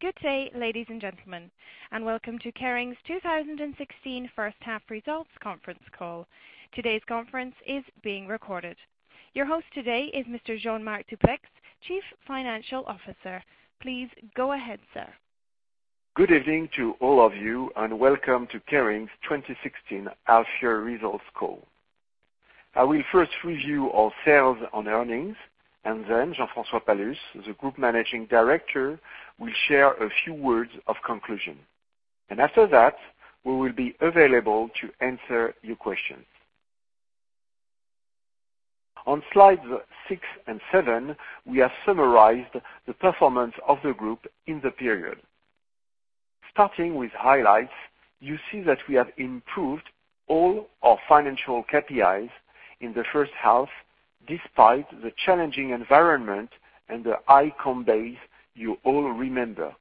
Good day, ladies and gentlemen, and welcome to Kering's 2016 first half results conference call. Today's conference is being recorded. Your host today is Mr. Jean-Marc Duplaix, Chief Financial Officer. Please go ahead, sir. Good evening to all of you, welcome to Kering's 2016 half year results call. I will first review our sales and earnings, then Jean-François Palus, the Group Managing Director, will share a few words of conclusion. After that, we will be available to answer your questions. On slides six and seven, we have summarized the performance of the group in the period. Starting with highlights, you see that we have improved all our financial KPIs in the first half, despite the challenging environment and the high comm base you all remember.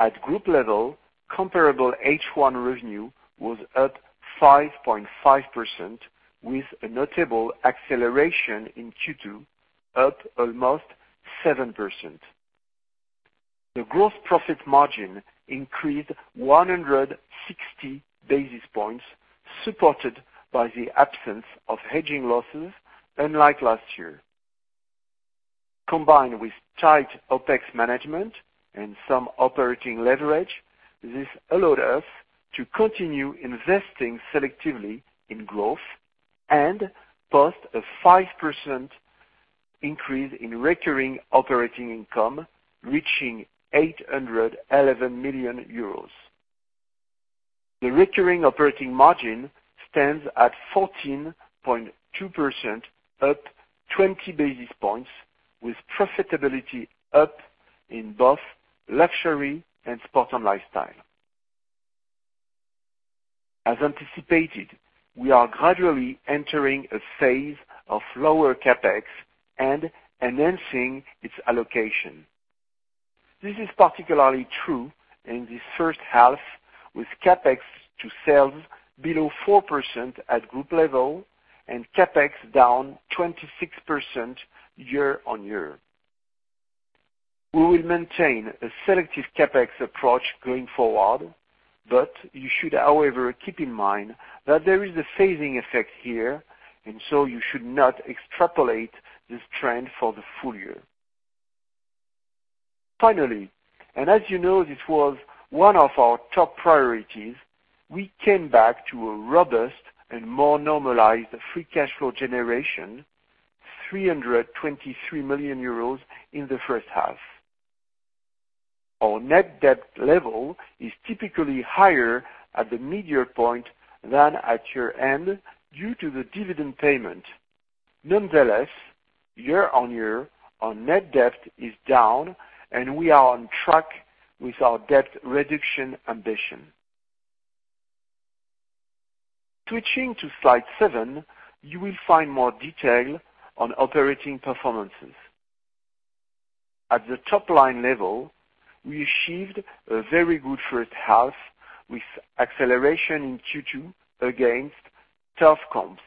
At group level, comparable H1 revenue was up 5.5%, with a notable acceleration in Q2, up almost 7%. The gross profit margin increased 160 basis points, supported by the absence of hedging losses, unlike last year. Combined with tight OpEx management and some operating leverage, this allowed us to continue investing selectively in growth and post a 5% increase in recurring operating income, reaching 811 million euros. The recurring operating margin stands at 14.2%, up 20 basis points, with profitability up in both luxury and sport and lifestyle. As anticipated, we are gradually entering a phase of lower CapEx and enhancing its allocation. This is particularly true in the first half, with CapEx to sales below 4% at group level and CapEx down 26% year-on-year. We will maintain a selective CapEx approach going forward, but you should, however, keep in mind that there is a phasing effect here, you should not extrapolate this trend for the full year. Finally, as you know, this was one of our top priorities, we came back to a robust and more normalized free cash flow generation, 323 million euros in the first half. Our net debt level is typically higher at the mid-year point than at year-end due to the dividend payment. Nonetheless, year-on-year, our net debt is down, and we are on track with our debt reduction ambition. Switching to slide seven, you will find more detail on operating performances. At the top-line level, we achieved a very good first half with acceleration in Q2 against tough comps.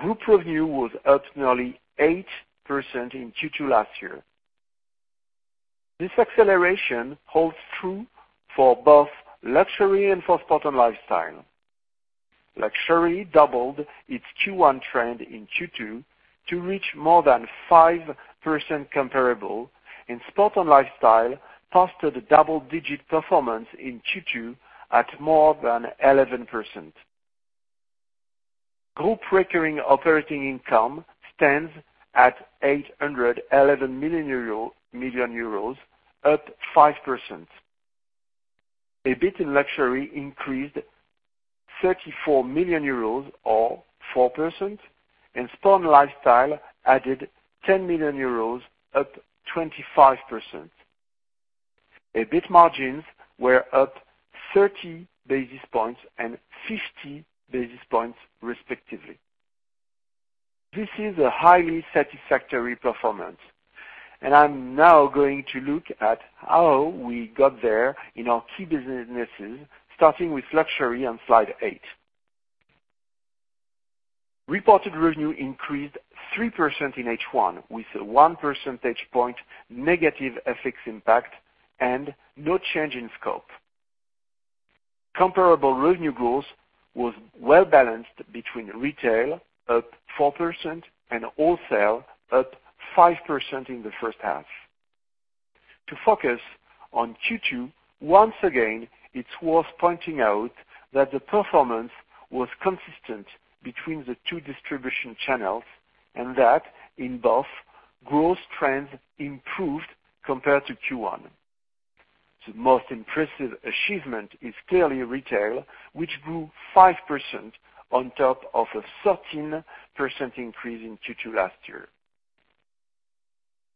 Group revenue was up nearly 8% in Q2 last year. This acceleration holds true for both luxury and for sport and lifestyle. Luxury doubled its Q1 trend in Q2 to reach more than 5% comparable. In sport and lifestyle posted a double-digit performance in Q2 at more than 11%. Group recurring operating income stands at 811 million euro, up 5%. EBITDA Luxury increased to 34 million euros, or 4%, and Sport & Lifestyle added 10 million euros, up 25%. EBIT margins were up 30 basis points and 50 basis points respectively. This is a highly satisfactory performance. I'm now going to look at how we got there in our key businesses, starting with luxury on slide eight. Reported revenue increased 3% in H1, with a one percentage point negative FX impact and no change in scope. Comparable revenue growth was well-balanced between retail, up 4%, and wholesale, up 5% in the first half. To focus on Q2, once again, it's worth pointing out that the performance was consistent between the two distribution channels, and that in both growth trends improved compared to Q1. The most impressive achievement is clearly retail, which grew 5% on top of a 13% increase in Q2 last year.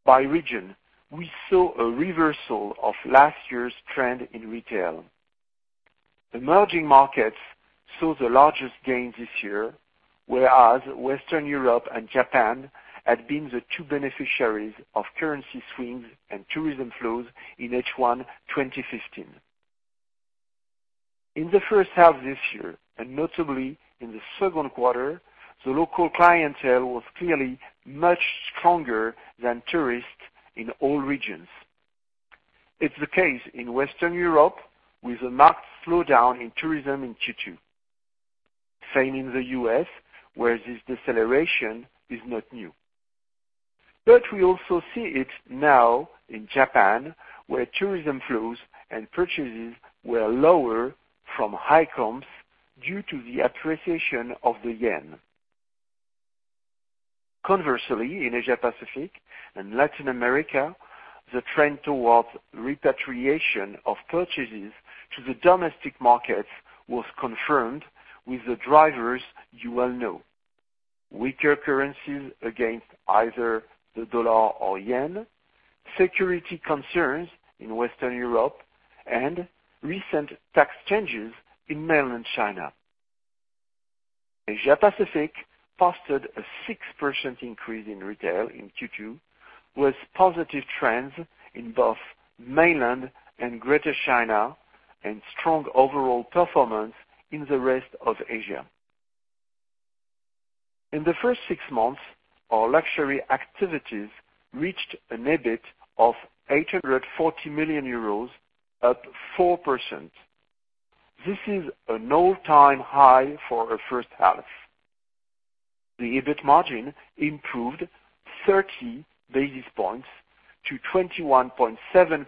By region, we saw a reversal of last year's trend in retail. Emerging markets saw the largest gain this year, whereas Western Europe and Japan had been the two beneficiaries of currency swings and tourism flows in H1 2015. In the first half this year, and notably in the second quarter, the local clientele was clearly much stronger than tourists in all regions. It's the case in Western Europe with a marked slowdown in tourism in Q2. Same in the U.S., where this deceleration is not new. We also see it now in Japan, where tourism flows and purchases were lower from high comps due to the appreciation of the yen. Conversely, in Asia-Pacific and Latin America, the trend towards repatriation of purchases to the domestic markets was confirmed with the drivers you well know. Weaker currencies against either the dollar or yen, security concerns in Western Europe, and recent tax changes in mainland China. Asia-Pacific posted a 6% increase in retail in Q2, with positive trends in both mainland and Greater China, and strong overall performance in the rest of Asia. In the first six months, our luxury activities reached an EBIT of 840 million euros, up 4%. This is an all-time high for a first half. The EBIT margin improved 30 basis points to 21.7%,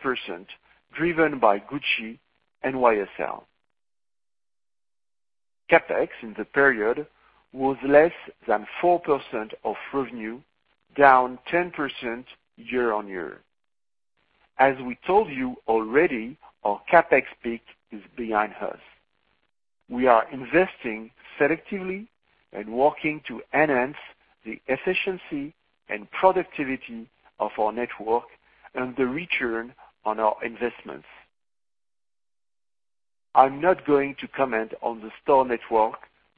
driven by Gucci and YSL. CapEx in the period was less than 4% of revenue, down 10% year-on-year. As we told you already, our CapEx peak is behind us. We are investing selectively and working to enhance the efficiency and productivity of our network and the return on our investments. I'm not going to comment on the store network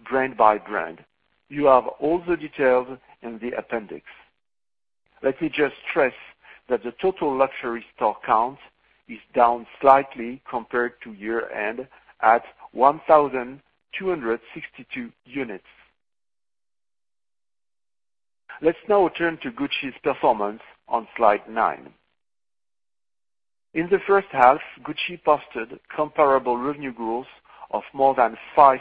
brand by brand. You have all the details in the appendix. Let me just stress that the total luxury store count is down slightly compared to year-end at 1,262 units. Let's now turn to Gucci's performance on slide nine. In the first half, Gucci posted comparable revenue growth of more than 5%.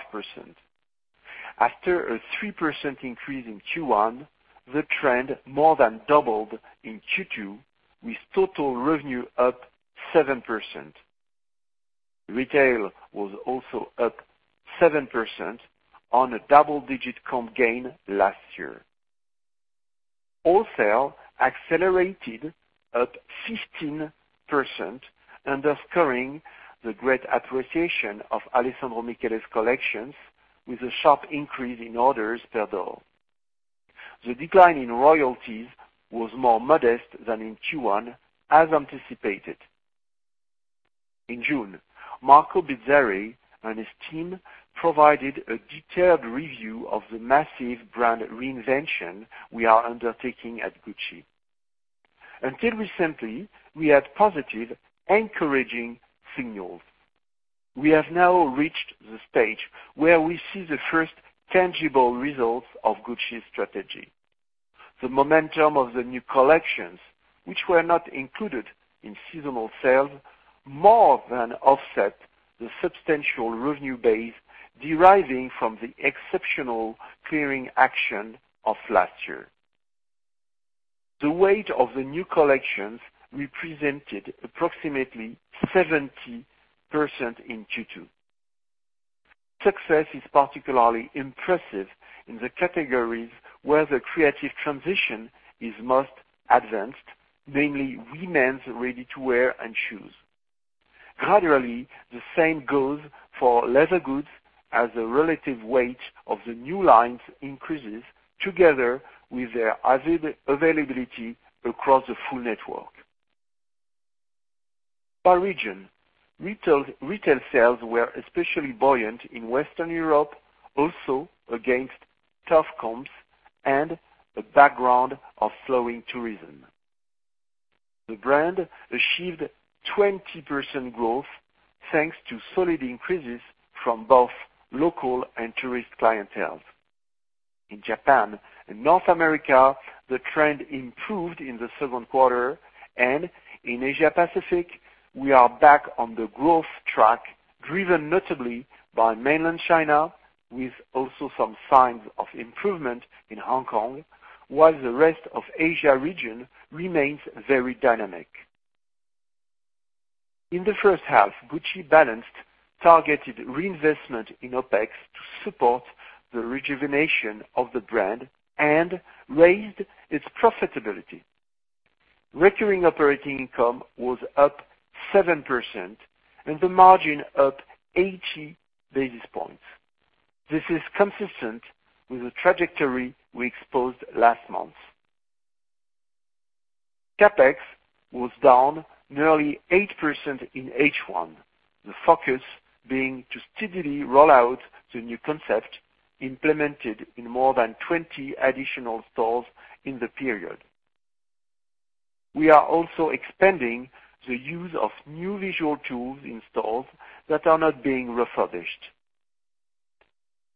After a 3% increase in Q1, the trend more than doubled in Q2, with total revenue up 7%. Retail was also up 7% on a double-digit comp gain last year. Wholesale accelerated up 15%, underscoring the great appreciation of Alessandro Michele's collections, with a sharp increase in orders per dollar. The decline in royalties was more modest than in Q1, as anticipated. In June, Marco Bizzarri and his team provided a detailed review of the massive brand reinvention we are undertaking at Gucci. Until recently, we had positive, encouraging signals. We have now reached the stage where we see the first tangible results of Gucci's strategy. The momentum of the new collections, which were not included in seasonal sales, more than offset the substantial revenue base deriving from the exceptional clearing action of last year. The weight of the new collections represented approximately 70% in Q2. Success is particularly impressive in the categories where the creative transition is most advanced, namely women's prêt-à-porter and shoes. Gradually, the same goes for leather goods as the relative weight of the new lines increases together with their availability across the full network. By region, retail sales were especially buoyant in Western Europe, also against tough comps and a background of slowing tourism. The brand achieved 20% growth thanks to solid increases from both local and tourist clienteles. In Japan and North America, the trend improved in the second quarter, and in Asia-Pacific, we are back on the growth track, driven notably by mainland China, with also some signs of improvement in Hong Kong, while the rest of Asia region remains very dynamic. In the first half, Gucci balanced targeted reinvestment in OpEx to support the rejuvenation of the brand and raised its profitability. Recurring operating income was up 7% and the margin up 80 basis points. This is consistent with the trajectory we exposed last month. CapEx was down nearly 8% in H1, the focus being to steadily roll out the new concept implemented in more than 20 additional stores in the period. We are also expanding the use of new visual tools in stores that are not being refurbished.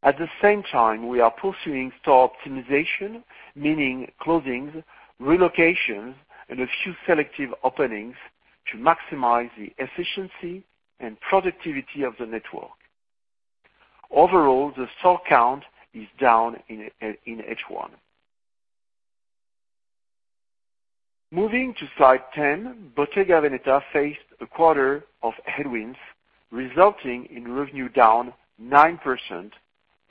At the same time, we are pursuing store optimization, meaning closings, relocations, and a few selective openings to maximize the efficiency and productivity of the network. Overall, the store count is down in H1. Moving to slide 10, Bottega Veneta faced a quarter of headwinds, resulting in revenue down 9%,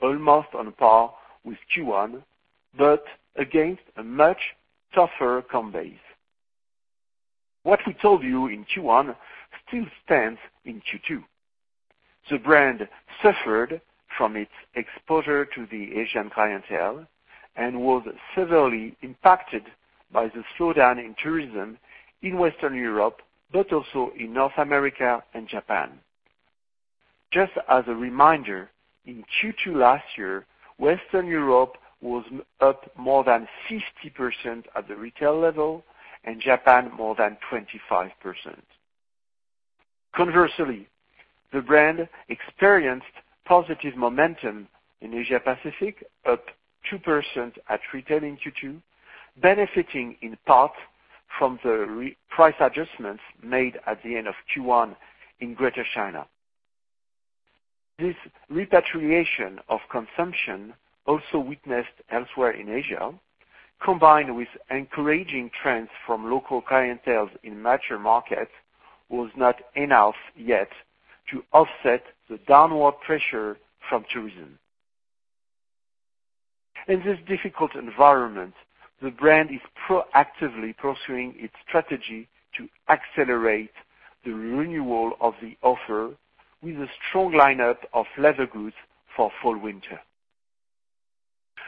almost on par with Q1, but against a much tougher comm base. What we told you in Q1 still stands in Q2. The brand suffered from its exposure to the Asian clientele and was severely impacted by the slowdown in tourism in Western Europe, but also in North America and Japan. Just as a reminder, in Q2 last year, Western Europe was up more than 60% at the retail level, and Japan more than 25%. Conversely, the brand experienced positive momentum in Asia Pacific, up 2% at retail in Q2, benefiting in part from the price adjustments made at the end of Q1 in Greater China. This repatriation of consumption, also witnessed elsewhere in Asia, combined with encouraging trends from local clienteles in mature markets, was not enough yet to offset the downward pressure from tourism. In this difficult environment, the brand is proactively pursuing its strategy to accelerate the renewal of the offer with a strong lineup of leather goods for fall/winter.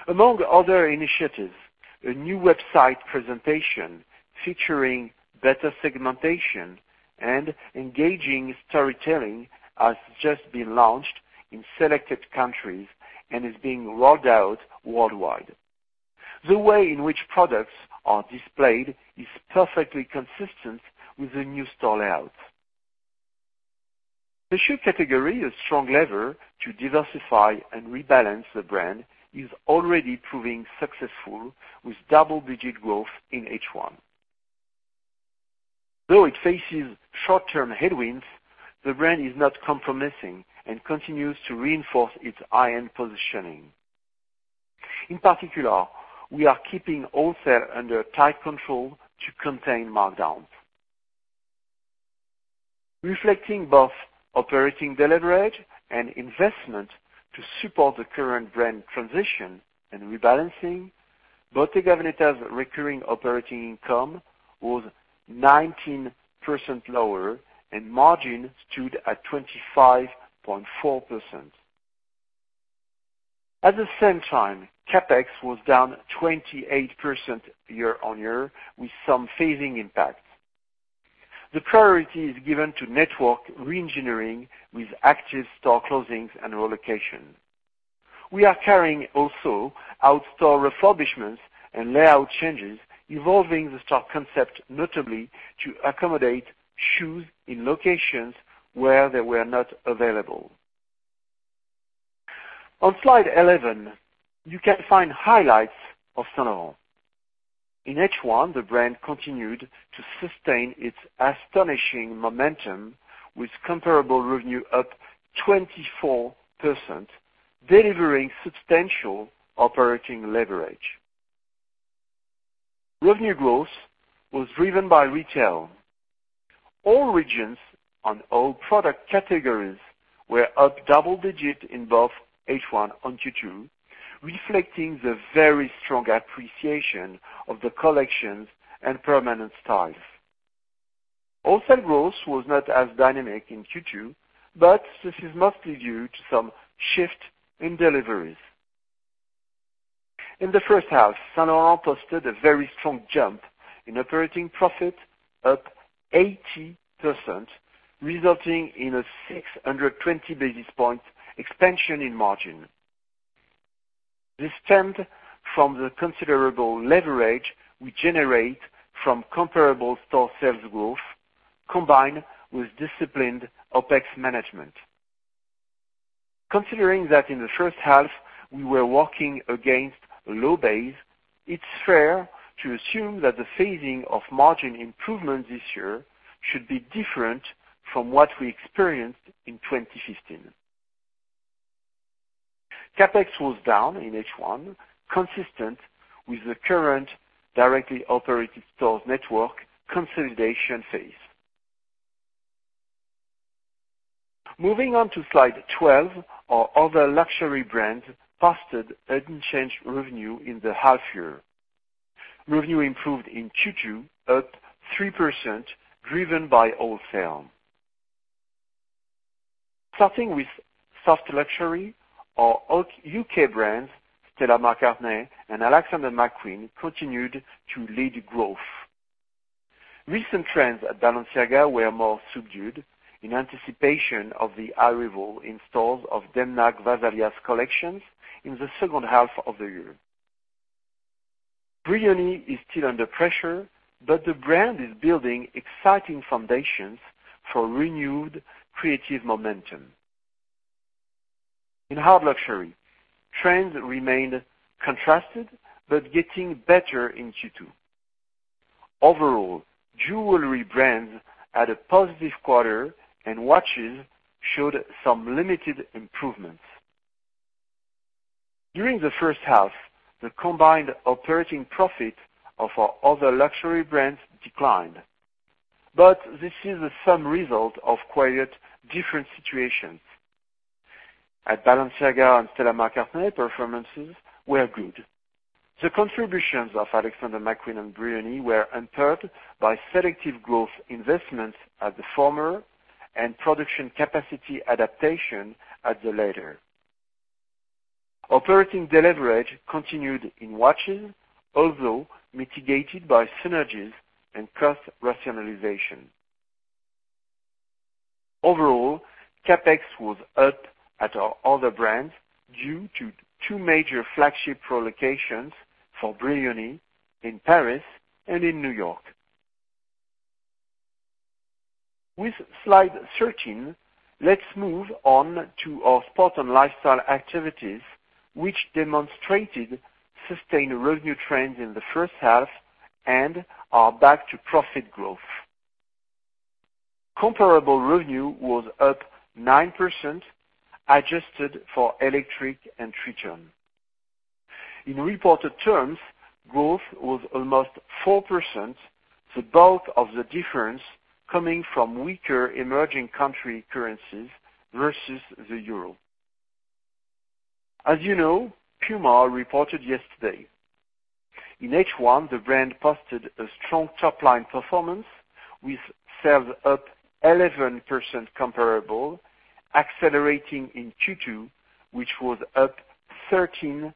Among other initiatives, a new website presentation featuring better segmentation and engaging storytelling has just been launched in selected countries and is being rolled out worldwide. The way in which products are displayed is perfectly consistent with the new store layout. The shoe category, a strong lever to diversify and rebalance the brand, is already proving successful with double-digit growth in H1. Though it faces short-term headwinds, the brand is not compromising and continues to reinforce its high-end positioning. In particular, we are keeping wholesale under tight control to contain markdowns. Reflecting both operating leverage and investment to support the current brand transition and rebalancing, Bottega Veneta's recurring operating income was 19% lower, and margin stood at 25.4%. At the same time, CapEx was down 28% year-on-year with some phasing impacts. The priority is given to network re-engineering with active store closings and relocations. We are carrying also out-store refurbishments and layout changes, evolving the store concept, notably to accommodate shoes in locations where they were not available. On slide 11, you can find highlights of Saint Laurent. In H1, the brand continued to sustain its astonishing momentum with comparable revenue up 24%, delivering substantial operating leverage. Revenue growth was driven by retail. All regions on all product categories were up double-digit in both H1 and Q2, reflecting the very strong appreciation of the collections and permanent styles. Wholesale growth was not as dynamic in Q2, but this is mostly due to some shift in deliveries. In the first half, Saint Laurent posted a very strong jump in operating profit up 80%, resulting in a 620 basis point expansion in margin. This stemmed from the considerable leverage we generate from comparable store sales growth, combined with disciplined OpEx management. Considering that in the first half, we were working against a low base, it's fair to assume that the phasing of margin improvement this year should be different from what we experienced in 2015. CapEx was down in H1, consistent with the current directly operated stores network consolidation phase. Moving on to slide 12. Our other luxury brand posted unchanged revenue in the half year. Revenue improved in Q2, up 3%, driven by wholesale. Starting with soft luxury, our U.K. brands, Stella McCartney and Alexander McQueen, continued to lead growth. Recent trends at Balenciaga were more subdued in anticipation of the arrival in stores of Demna Gvasalia's collections in the second half of the year. Brioni is still under pressure, but the brand is building exciting foundations for renewed creative momentum. In hard luxury, trends remained contrasted, but getting better in Q2. Overall, jewelry brands had a positive quarter, and watches showed some limited improvements. During the first half, the combined operating profit of our other luxury brands declined. But this is a sum result of quite different situations. At Balenciaga and Stella McCartney, performances were good. The contributions of Alexander McQueen and Brioni were hampered by selective growth investments at the former and production capacity adaptation at the latter. Operating deleverage continued in watches, although mitigated by synergies and cost rationalization. Overall, CapEx was up at our other brands due to two major flagship store locations for Brioni in Paris and in New York. With slide 13, let's move on to our sports and lifestyle activities, which demonstrated sustained revenue trends in the first half and are back to profit growth. Comparable revenue was up 9%, adjusted for Electric and Tretorn. In reported terms, growth was almost 4%, the bulk of the difference coming from weaker emerging country currencies versus the EUR. As you know, Puma reported yesterday. In H1, the brand posted a strong top-line performance, with sales up 11% comparable, accelerating in Q2, which was up 13%.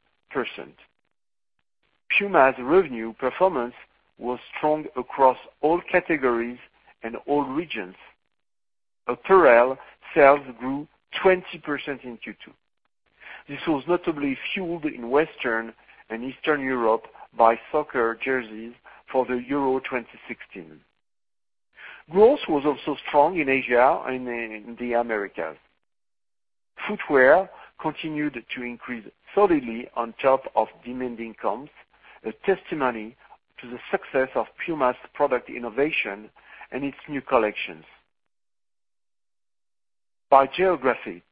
Puma's revenue performance was strong across all categories and all regions. Apparel sales grew 20% in Q2. This was notably fueled in Western and Eastern Europe by soccer jerseys for the Euro 2016. Growth was also strong in Asia and in the Americas. Footwear continued to increase solidly on top of demanding comps, a testimony to the success of Puma's product innovation and its new collections. By geography,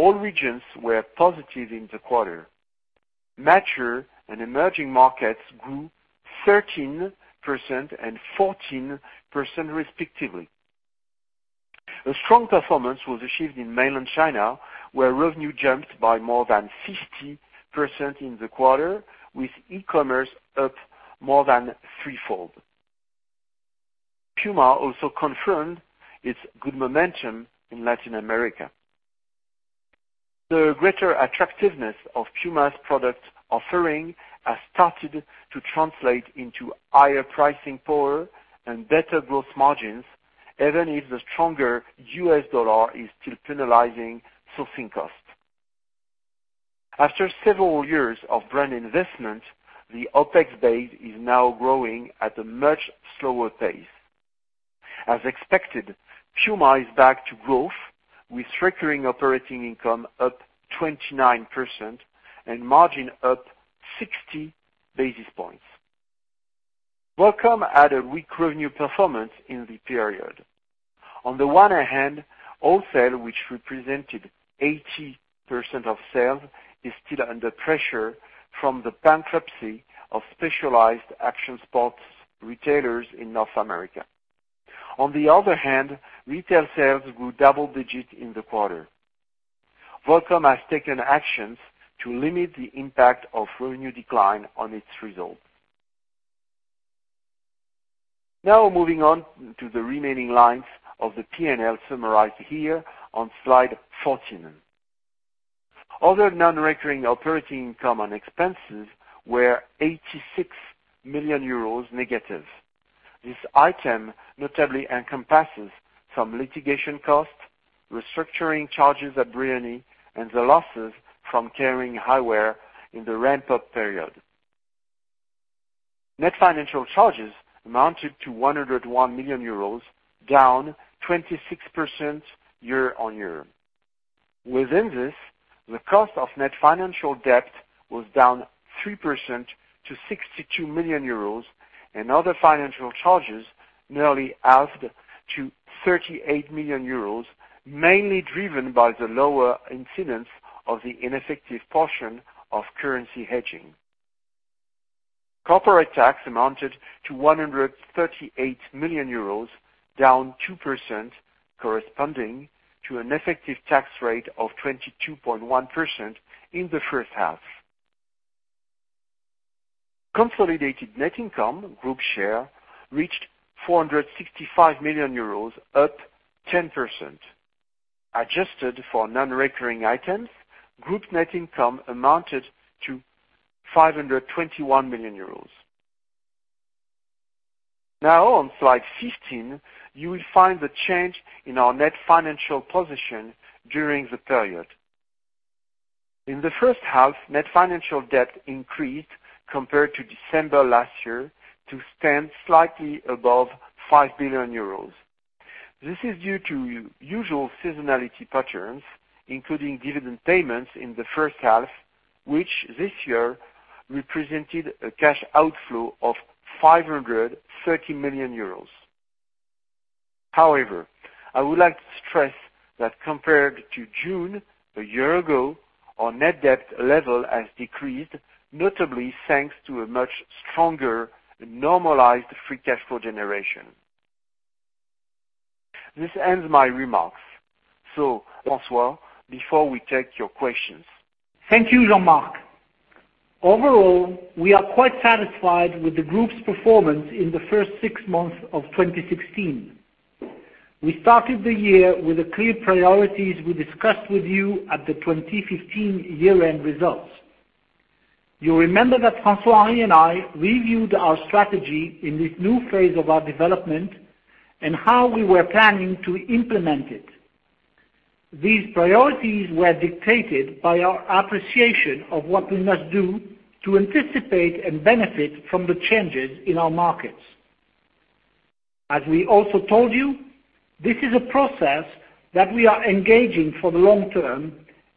all regions were positive in the quarter. Mature and emerging markets grew 13% and 14%, respectively. A strong performance was achieved in mainland China, where revenue jumped by more than 50% in the quarter, with e-commerce up more than threefold. Puma also confirmed its good momentum in Latin America. The greater attractiveness of Puma's product offering has started to translate into higher pricing power and better growth margins, even if the stronger US dollar is still penalizing sourcing costs. After several years of brand investment, the OpEx base is now growing at a much slower pace. As expected, Puma is back to growth, with recurring operating income up 29% and margin up 60 basis points. Volcom had a weak revenue performance in the period. On the one hand, wholesale, which represented 80% of sales, is still under pressure from the bankruptcy of specialized action sports retailers in North America. On the other hand, retail sales grew double digit in the quarter. Volcom has taken actions to limit the impact of revenue decline on its results. Now moving on to the remaining lines of the P&L summarized here on slide 14. Other non-recurring operating income and expenses were 86 million euros negative. This item notably encompasses some litigation costs, restructuring charges at Brioni, and the losses from Kering Eyewear in the ramp-up period. Net financial charges amounted to 101 million euros, down 26% year-on-year. Within this, the cost of net financial debt was down 3% to 62 million euros, and other financial charges nearly halved to 38 million euros, mainly driven by the lower incidence of the ineffective portion of currency hedging. Corporate tax amounted to 138 million euros, down 2%, corresponding to an effective tax rate of 22.1% in the first half. Consolidated net income group share reached 465 million euros, up 10%. Adjusted for non-recurring items, group net income amounted to 521 million euros. Now on slide 15, you will find the change in our net financial position during the period. In the first half, net financial debt increased compared to December last year to stand slightly above 5 billion euros. This is due to usual seasonality patterns, including dividend payments in the first half, which this year represented a cash outflow of 530 million euros. I would like to stress that compared to June a year ago, our net debt level has decreased, notably thanks to a much stronger normalized free cash flow generation. This ends my remarks. François, before we take your questions. Thank you, Jean-Marc. Overall, we are quite satisfied with the group's performance in the first six months of 2016. We started the year with the clear priorities we discussed with you at the 2015 year-end results. You remember that François-Henri and I reviewed our strategy in this new phase of our development and how we were planning to implement it. These priorities were dictated by our appreciation of what we must do to anticipate and benefit from the changes in our markets. As we also told you, this is a process that we are engaging for the long term.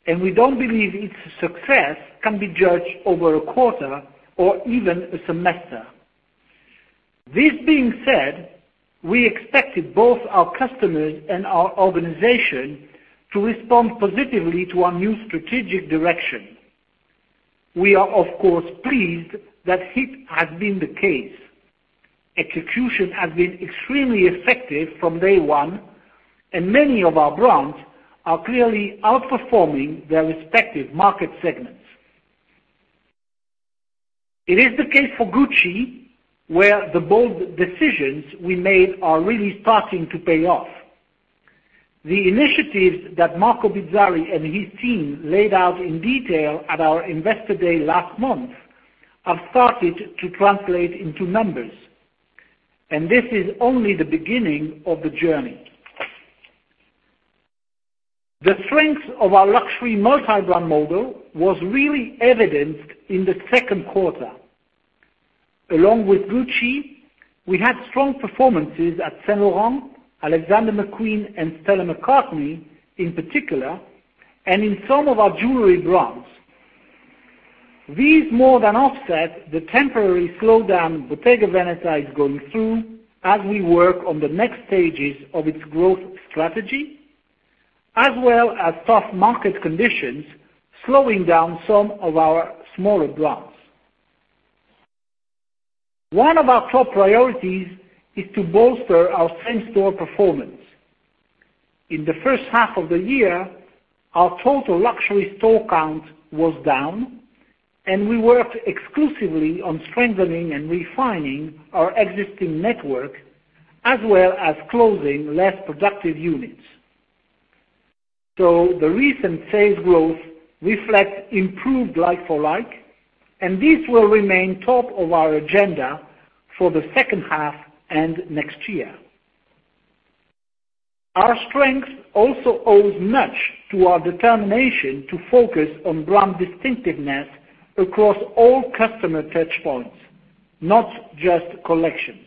We don't believe its success can be judged over a quarter or even a semester. This being said, we expected both our customers and our organization to respond positively to our new strategic direction. We are, of course, pleased that it has been the case. Execution has been extremely effective from day one. Many of our brands are clearly outperforming their respective market segments. It is the case for Gucci, where the bold decisions we made are really starting to pay off. The initiatives that Marco Bizzarri and his team laid out in detail at our Investor Day last month have started to translate into numbers. This is only the beginning of the journey. The strength of our luxury multi-brand model was really evidenced in the second quarter. Along with Gucci, we had strong performances at Saint Laurent, Alexander McQueen, and Stella McCartney in particular, and in some of our jewelry brands. These more than offset the temporary slowdown Bottega Veneta is going through as we work on the next stages of its growth strategy, as well as tough market conditions slowing down some of our smaller brands. One of our top priorities is to bolster our same-store performance. In the first half of the year, our total luxury store count was down. We worked exclusively on strengthening and refining our existing network, as well as closing less productive units. The recent sales growth reflects improved like-for-like, and this will remain top of our agenda for the second half and next year. Our strength also owes much to our determination to focus on brand distinctiveness across all customer touch points, not just collections.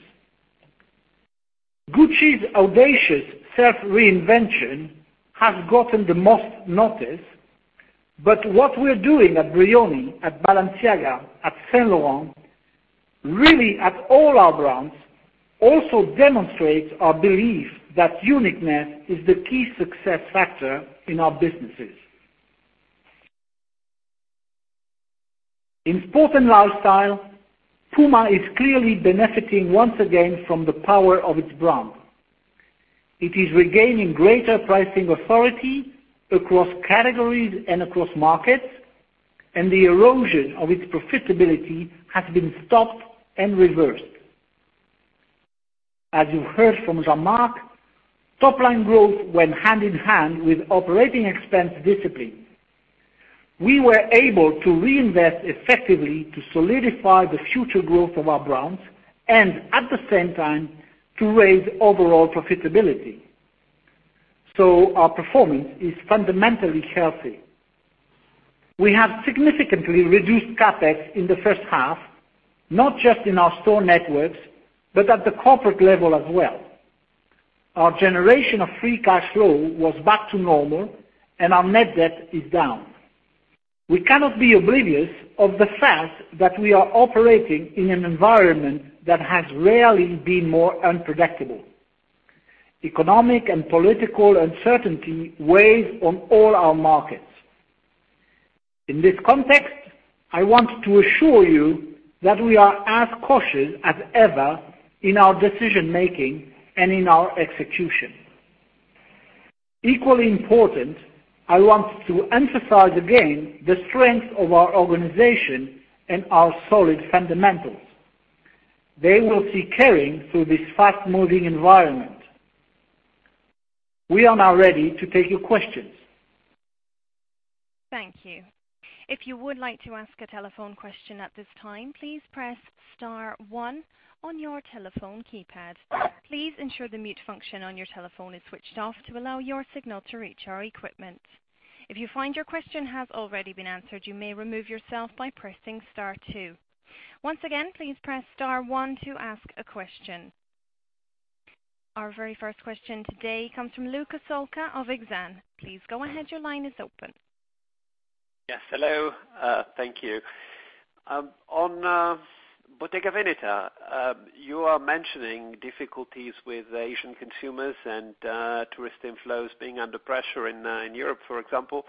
Gucci's audacious self-reinvention has gotten the most notice. What we're doing at Brioni, at Balenciaga, at Saint Laurent, really at all our brands, also demonstrates our belief that uniqueness is the key success factor in our businesses. In sport and lifestyle, Puma is clearly benefiting once again from the power of its brand. It is regaining greater pricing authority across categories and across markets. The erosion of its profitability has been stopped and reversed. As you heard from Jean-Marc, top-line growth went hand-in-hand with operating expense discipline. We were able to reinvest effectively to solidify the future growth of our brands and, at the same time, to raise overall profitability. Our performance is fundamentally healthy. We have significantly reduced CapEx in the first half, not just in our store networks, but at the corporate level as well. Our generation of free cash flow was back to normal. Our net debt is down. We cannot be oblivious of the fact that we are operating in an environment that has rarely been more unpredictable. Economic and political uncertainty weighs on all our markets. In this context, I want to assure you that we are as cautious as ever in our decision-making and in our execution. Equally important, I want to emphasize again the strength of our organization and our solid fundamentals. They will see Kering through this fast-moving environment. We are now ready to take your questions. Thank you. If you would like to ask a telephone question at this time, please press star one on your telephone keypad. Please ensure the mute function on your telephone is switched off to allow your signal to reach our equipment. If you find your question has already been answered, you may remove yourself by pressing star two. Once again, please press star one to ask a question. Our very first question today comes from Luca Solca of Exane. Please go ahead. Your line is open. Yes. Hello. Thank you. On Bottega Veneta, you are mentioning difficulties with Asian consumers and tourist inflows being under pressure in Europe, for example.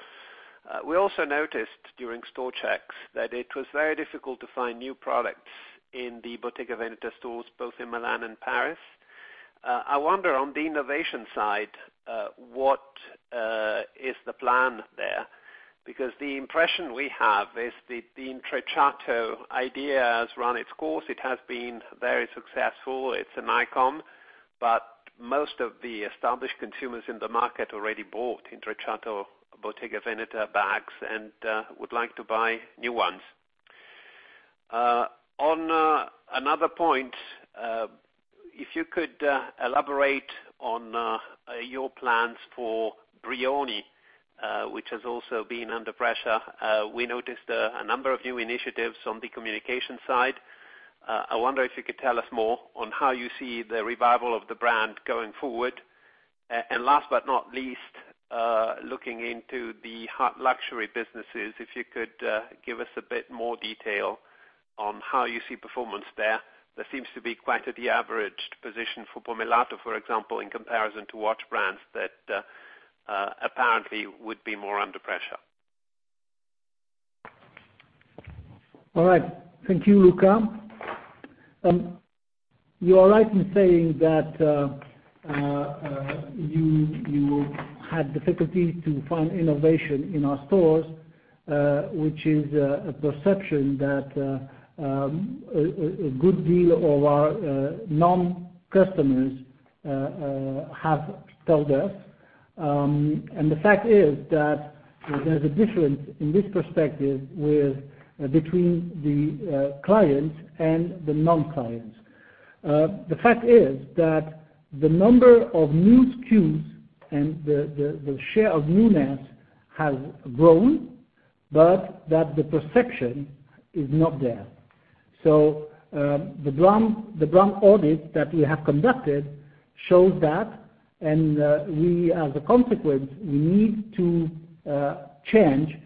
We also noticed during store checks that it was very difficult to find new products in the Bottega Veneta stores, both in Milan and Paris. I wonder on the innovation side, what is the plan there? The impression we have is the Intrecciato idea has run its course. It has been very successful. It's an icon, but most of the established consumers in the market already bought Intrecciato Bottega Veneta bags and would like to buy new ones. On another point, if you could elaborate on your plans for Brioni, which has also been under pressure. We noticed a number of new initiatives on the communication side. I wonder if you could tell us more on how you see the revival of the brand going forward. Last but not least, looking into the luxury businesses, if you could give us a bit more detail on how you see performance there. There seems to be quite a de-averaged position for Pomellato, for example, in comparison to watch brands that apparently would be more under pressure. All right. Thank you, Luca. You are right in saying that you had difficulty to find innovation in our stores, which is a perception that a good deal of our non-customers have told us. The fact is that there's a difference in this perspective between the clients and the non-clients. The fact is that the number of new SKUs and the share of newness has grown, but the perception is not there. The brand audit that we have conducted shows that, and we, as a consequence, need to change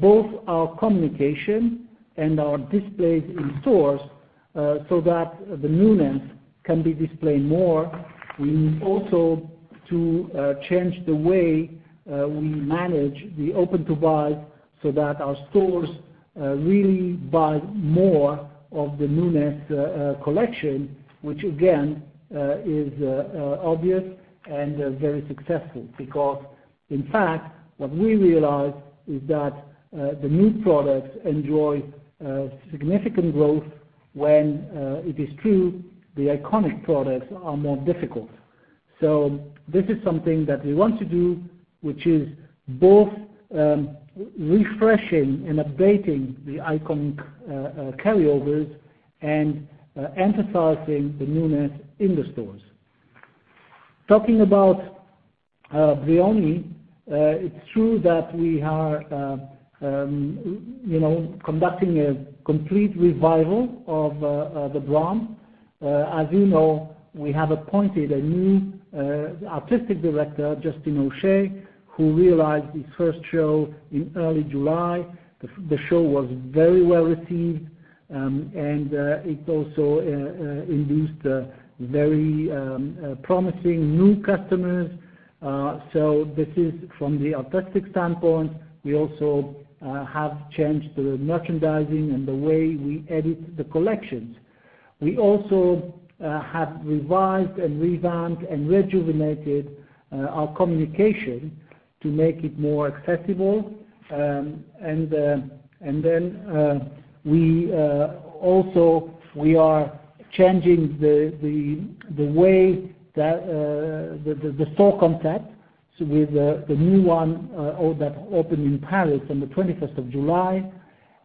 both our communication and our displays in stores so that the newness can be displayed more. We need also to change the way we manage the open to buy so that our stores really buy more of the newness collection, which again is obvious and very successful. In fact, what we realized is that the new products enjoy significant growth when it is true the iconic products are more difficult. This is something that we want to do, which is both refreshing and updating the iconic carryovers and emphasizing the newness in the stores. Talking about Brioni, it's true that we are conducting a complete revival of the brand. As you know, we have appointed a new artistic director, Justin O'Shea, who realized his first show in early July. The show was very well-received, and it also induced very promising new customers. This is from the artistic standpoint. We also have changed the merchandising and the way we edit the collections. We also have revised and revamped and rejuvenated our communication to make it more accessible. We are changing the store concept with the new one that opened in Paris on the 21st of July.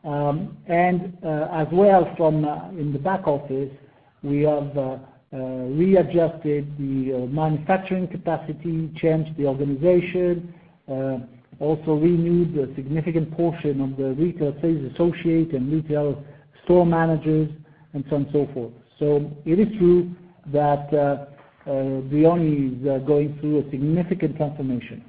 As well in the back office, we have readjusted the manufacturing capacity, changed the organization, also renewed a significant portion of the retail sales associate and retail store managers and so on and so forth. It is true that Brioni is going through a significant transformation.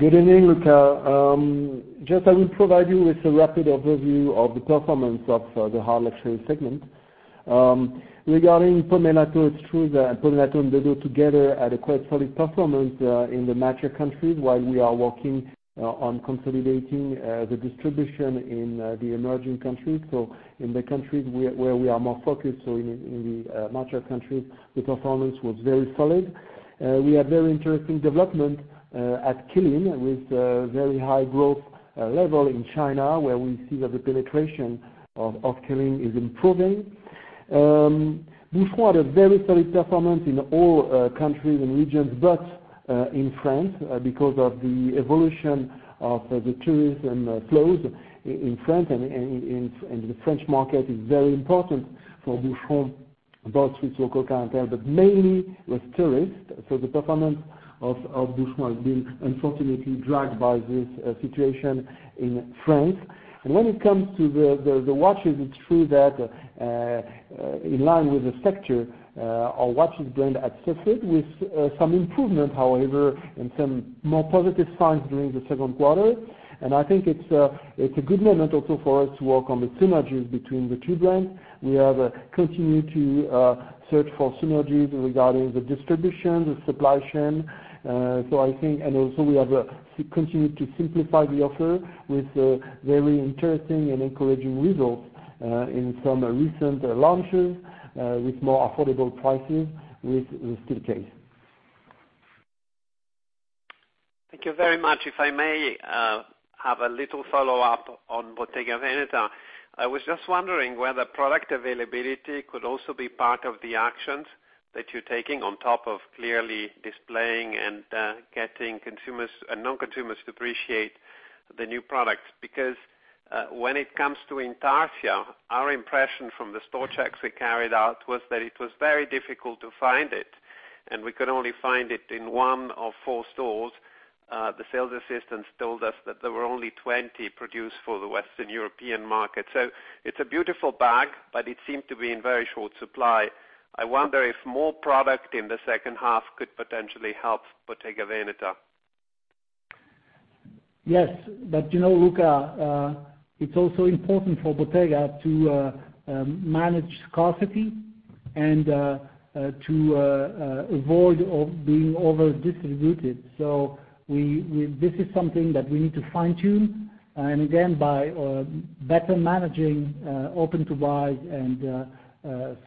Good evening, Luca. Just I will provide you with a rapid overview of the performance of the hard luxury segment. Regarding Pomellato, it's true that Pomellato and [inaudible] together had a quite solid performance in the mature countries while we are working on consolidating the distribution in the emerging countries. In the countries where we are more focused, in the mature countries, the performance was very solid. We had very interesting development at Kering with very high growth level in China, where we see that the penetration of Kering is improving. Boucheron had a very solid performance in all countries and regions, but in France, because of the evolution of the tourism flows in France, the French market is very important for Boucheron, both with local clientele, but mainly with tourists. The performance of Boucheron is being unfortunately dragged by this situation in France. When it comes to the watches, it's true that, in line with the sector, our watches brand had suffered, with some improvement, however, and some more positive signs during the second quarter. I think it's a good moment also for us to work on the synergies between the two brands. We have continued to search for synergies regarding the distribution, the supply chain. Also we have continued to simplify the offer with very interesting and encouraging results in some recent launches, with more affordable prices, with steel case. Thank you very much. If I may have a little follow-up on Bottega Veneta. I was just wondering whether product availability could also be part of the actions that you're taking on top of clearly displaying and getting consumers and non-consumers to appreciate the new products. Because, when it comes to Intarsia, our impression from the store checks we carried out was that it was very difficult to find it, and we could only find it in one of four stores. The sales assistants told us that there were only 20 produced for the Western European market. It's a beautiful bag, but it seemed to be in very short supply. I wonder if more product in the second half could potentially help Bottega Veneta. Yes. You know, Luca, it's also important for Bottega to manage scarcity and to avoid being over-distributed. This is something that we need to fine-tune. Again, by better managing open to buy and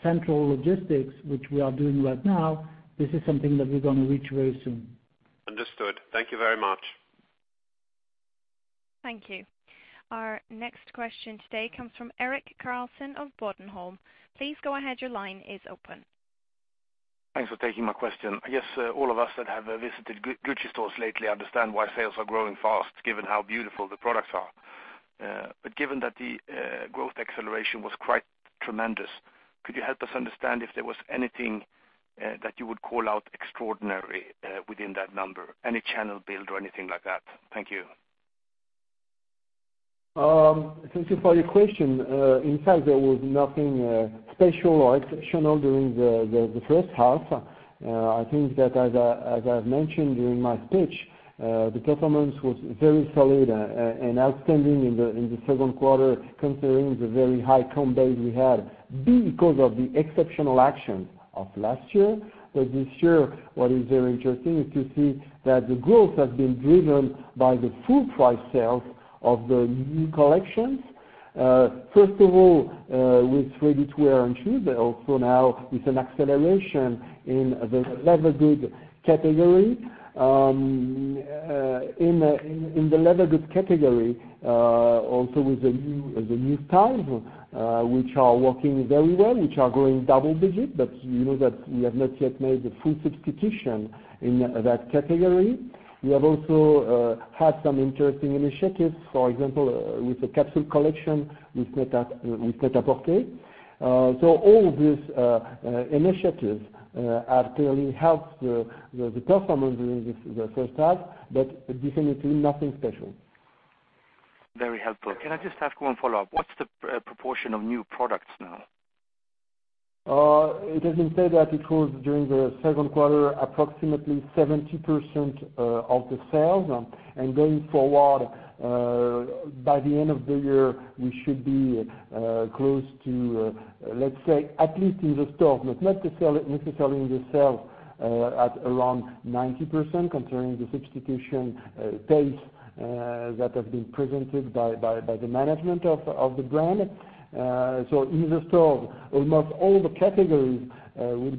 central logistics, which we are doing right now, this is something that we're going to reach very soon. Understood. Thank you very much. Thank you. Our next question today comes from Erik Karlsson of Bodenholm. Please go ahead, your line is open. Thanks for taking my question. I guess all of us that have visited Gucci stores lately understand why sales are growing fast, given how beautiful the products are. Given that the growth acceleration was quite tremendous, could you help us understand if there was anything that you would call out extraordinary within that number? Any channel build or anything like that? Thank you. Thank you for your question. In fact, there was nothing special or exceptional during the first half. I think that as I have mentioned during my speech, the performance was very solid and outstanding in the second quarter, considering the very high comp base we had because of the exceptional action of last year. This year, what is very interesting is to see that the growth has been driven by the full price sales of the new collections. First of all, with ready-to-wear and shoes, but also now with an acceleration in the leather goods category. In the leather goods category, also with the new styles, which are working very well, which are growing double-digit, but you know that we have not yet made the full substitution in that category. We have also had some interesting initiatives, for example, with the capsule collection, with prêt-à-porter. All these initiatives have clearly helped the performance during the first half, but definitely nothing special. Very helpful. Can I just ask one follow-up? What's the proportion of new products now? It has been said that it was, during the second quarter, approximately 70% of the sales. Going forward, by the end of the year, we should be close to, let's say, at least in the stores, but not necessarily in the sales, at around 90%, considering the substitution pace that has been presented by the management of the brand. In the stores, almost all the categories will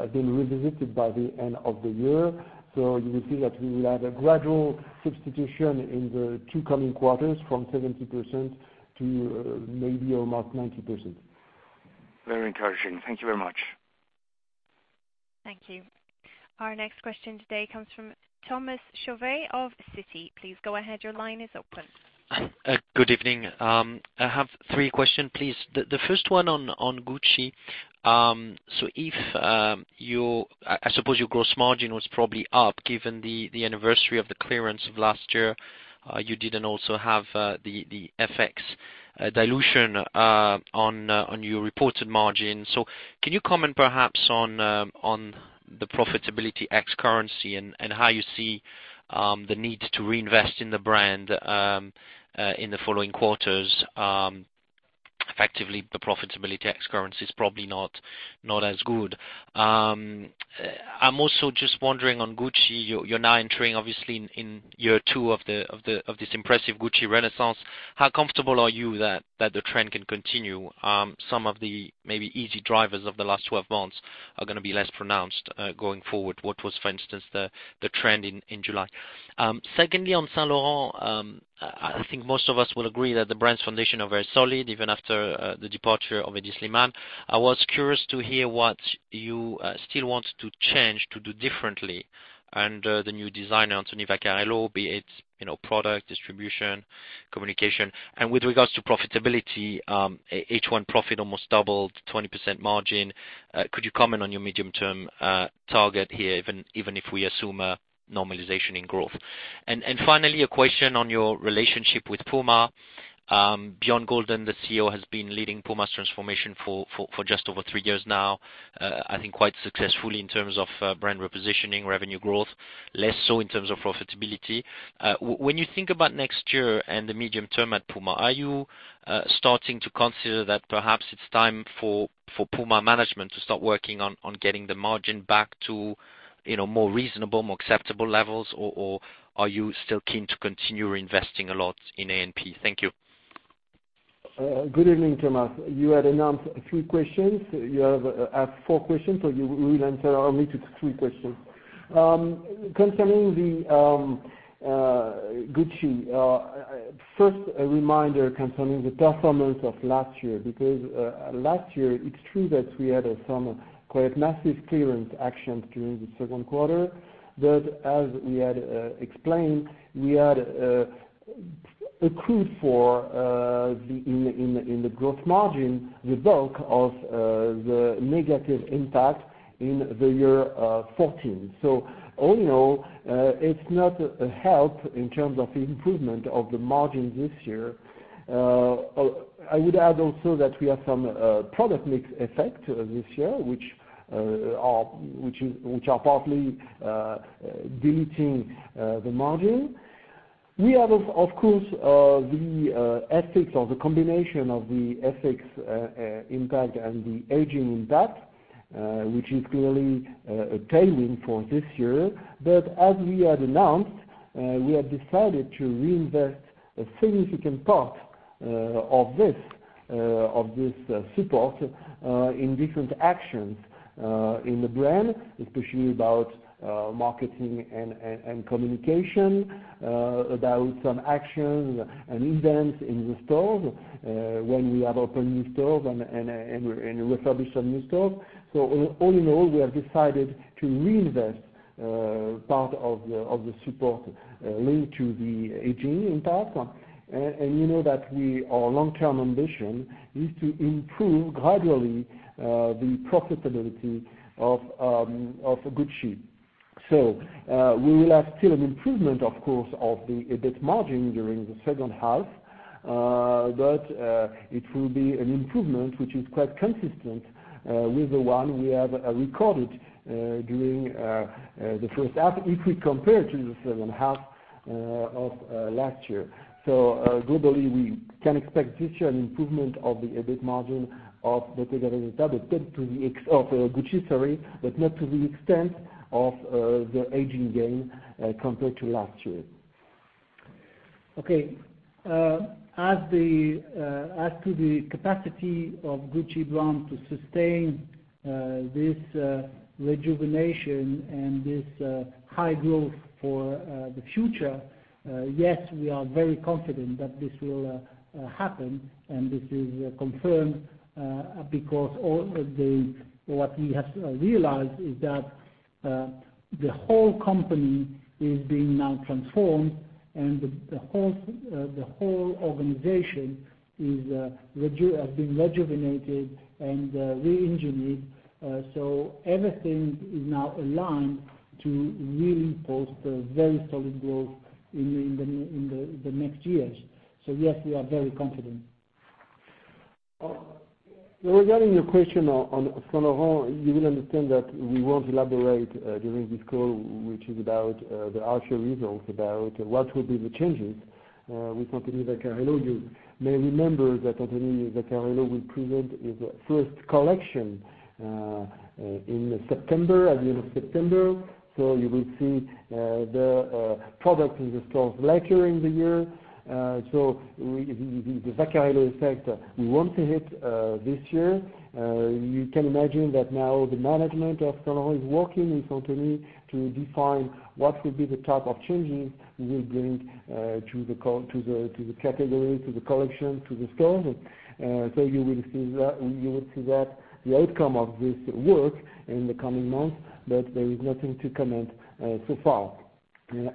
have been revisited by the end of the year. You will see that we will have a gradual substitution in the two coming quarters from 70% to maybe almost 90%. Very encouraging. Thank you very much. Thank you. Our next question today comes from Thomas Chauvet of Citi. Please go ahead, your line is open. Good evening. I have three questions, please. The first one on Gucci. I suppose your gross margin was probably up given the anniversary of the clearance of last year. You didn't also have the FX dilution on your reported margin. Can you comment perhaps on the profitability ex currency and how you see the need to reinvest in the brand in the following quarters? Effectively, the profitability ex currency is probably not as good. I'm also just wondering on Gucci, you're now entering, obviously, in year two of this impressive Gucci renaissance. How comfortable are you that the trend can continue? Some of the maybe easy drivers of the last 12 months are going to be less pronounced going forward. What was, for instance, the trend in July? Secondly, on Saint Laurent, I think most of us will agree that the brand's foundation are very solid, even after the departure of Hedi Slimane. I was curious to hear what you still want to change to do differently under the new designer, Anthony Vaccarello, be it product, distribution, communication. With regards to profitability, H1 profit almost doubled, 20% margin. Could you comment on your medium-term target here, even if we assume a normalization in growth? Finally, a question on your relationship with Puma. Bjørn Gulden, the CEO, has been leading Puma's transformation for just over three years now, I think quite successfully in terms of brand repositioning, revenue growth, less so in terms of profitability. When you think about next year and the medium term at Puma, are you starting to consider that perhaps it's time for Puma management to start working on getting the margin back to more reasonable, more acceptable levels? Are you still keen to continue investing a lot in A&P? Thank you. Good evening, Thomas. You had announced three questions. You have asked four questions, We will answer only to three questions. Concerning Gucci, first, a reminder concerning the performance of last year, because last year, it's true that we had some quite massive clearance actions during the second quarter, that as we had explained, we had accrued for, in the gross margin, the bulk of the negative impact in the year 2014. All in all, it's not a help in terms of improvement of the margin this year. I would add also that we have some product mix effect this year, which are partly deleting the margin. We have, of course, the effect of the combination of the FX impact and the hedging impact, which is clearly tailing for this year. As we had announced, we have decided to reinvest a significant part of this support in different actions in the brand, especially about marketing and communication, about some actions and events in the stores when we have opened new stores and refurbished some new stores. All in all, we have decided to reinvest part of the support linked to the hedging impact. You know that our long-term ambition is to improve gradually the profitability of Gucci. We will have still an improvement, of course, of the EBIT margin during the second half, but it will be an improvement which is quite consistent with the one we have recorded during the first half, if we compare to the second half of last year. Globally, we can expect this year an improvement of the EBIT margin of the total result of Gucci, but not to the extent of the hedging gain compared to last year. Okay. As to the capacity of Gucci brand to sustain this rejuvenation and this high growth for the future, yes, we are very confident that this will happen, and this is confirmed because what we have realized is that the whole company is being now transformed, and the whole organization has been rejuvenated and re-engineered. Everything is now aligned to really post a very solid growth in the next years. Yes, we are very confident. Regarding your question on Saint Laurent, you will understand that we won't elaborate during this call, which is about the actual results, about what will be the changes with Anthony Vaccarello. You may remember that Anthony Vaccarello will present his first collection at the end of September. You will see the product in the stores later in the year. The Vaccarello effect, we won't see it this year. You can imagine that now the management of Saint Laurent is working with Anthony to define what will be the type of changes he will bring to the category, to the collection, to the stores. You will see that the outcome of this work in the coming months, but there is nothing to comment so far.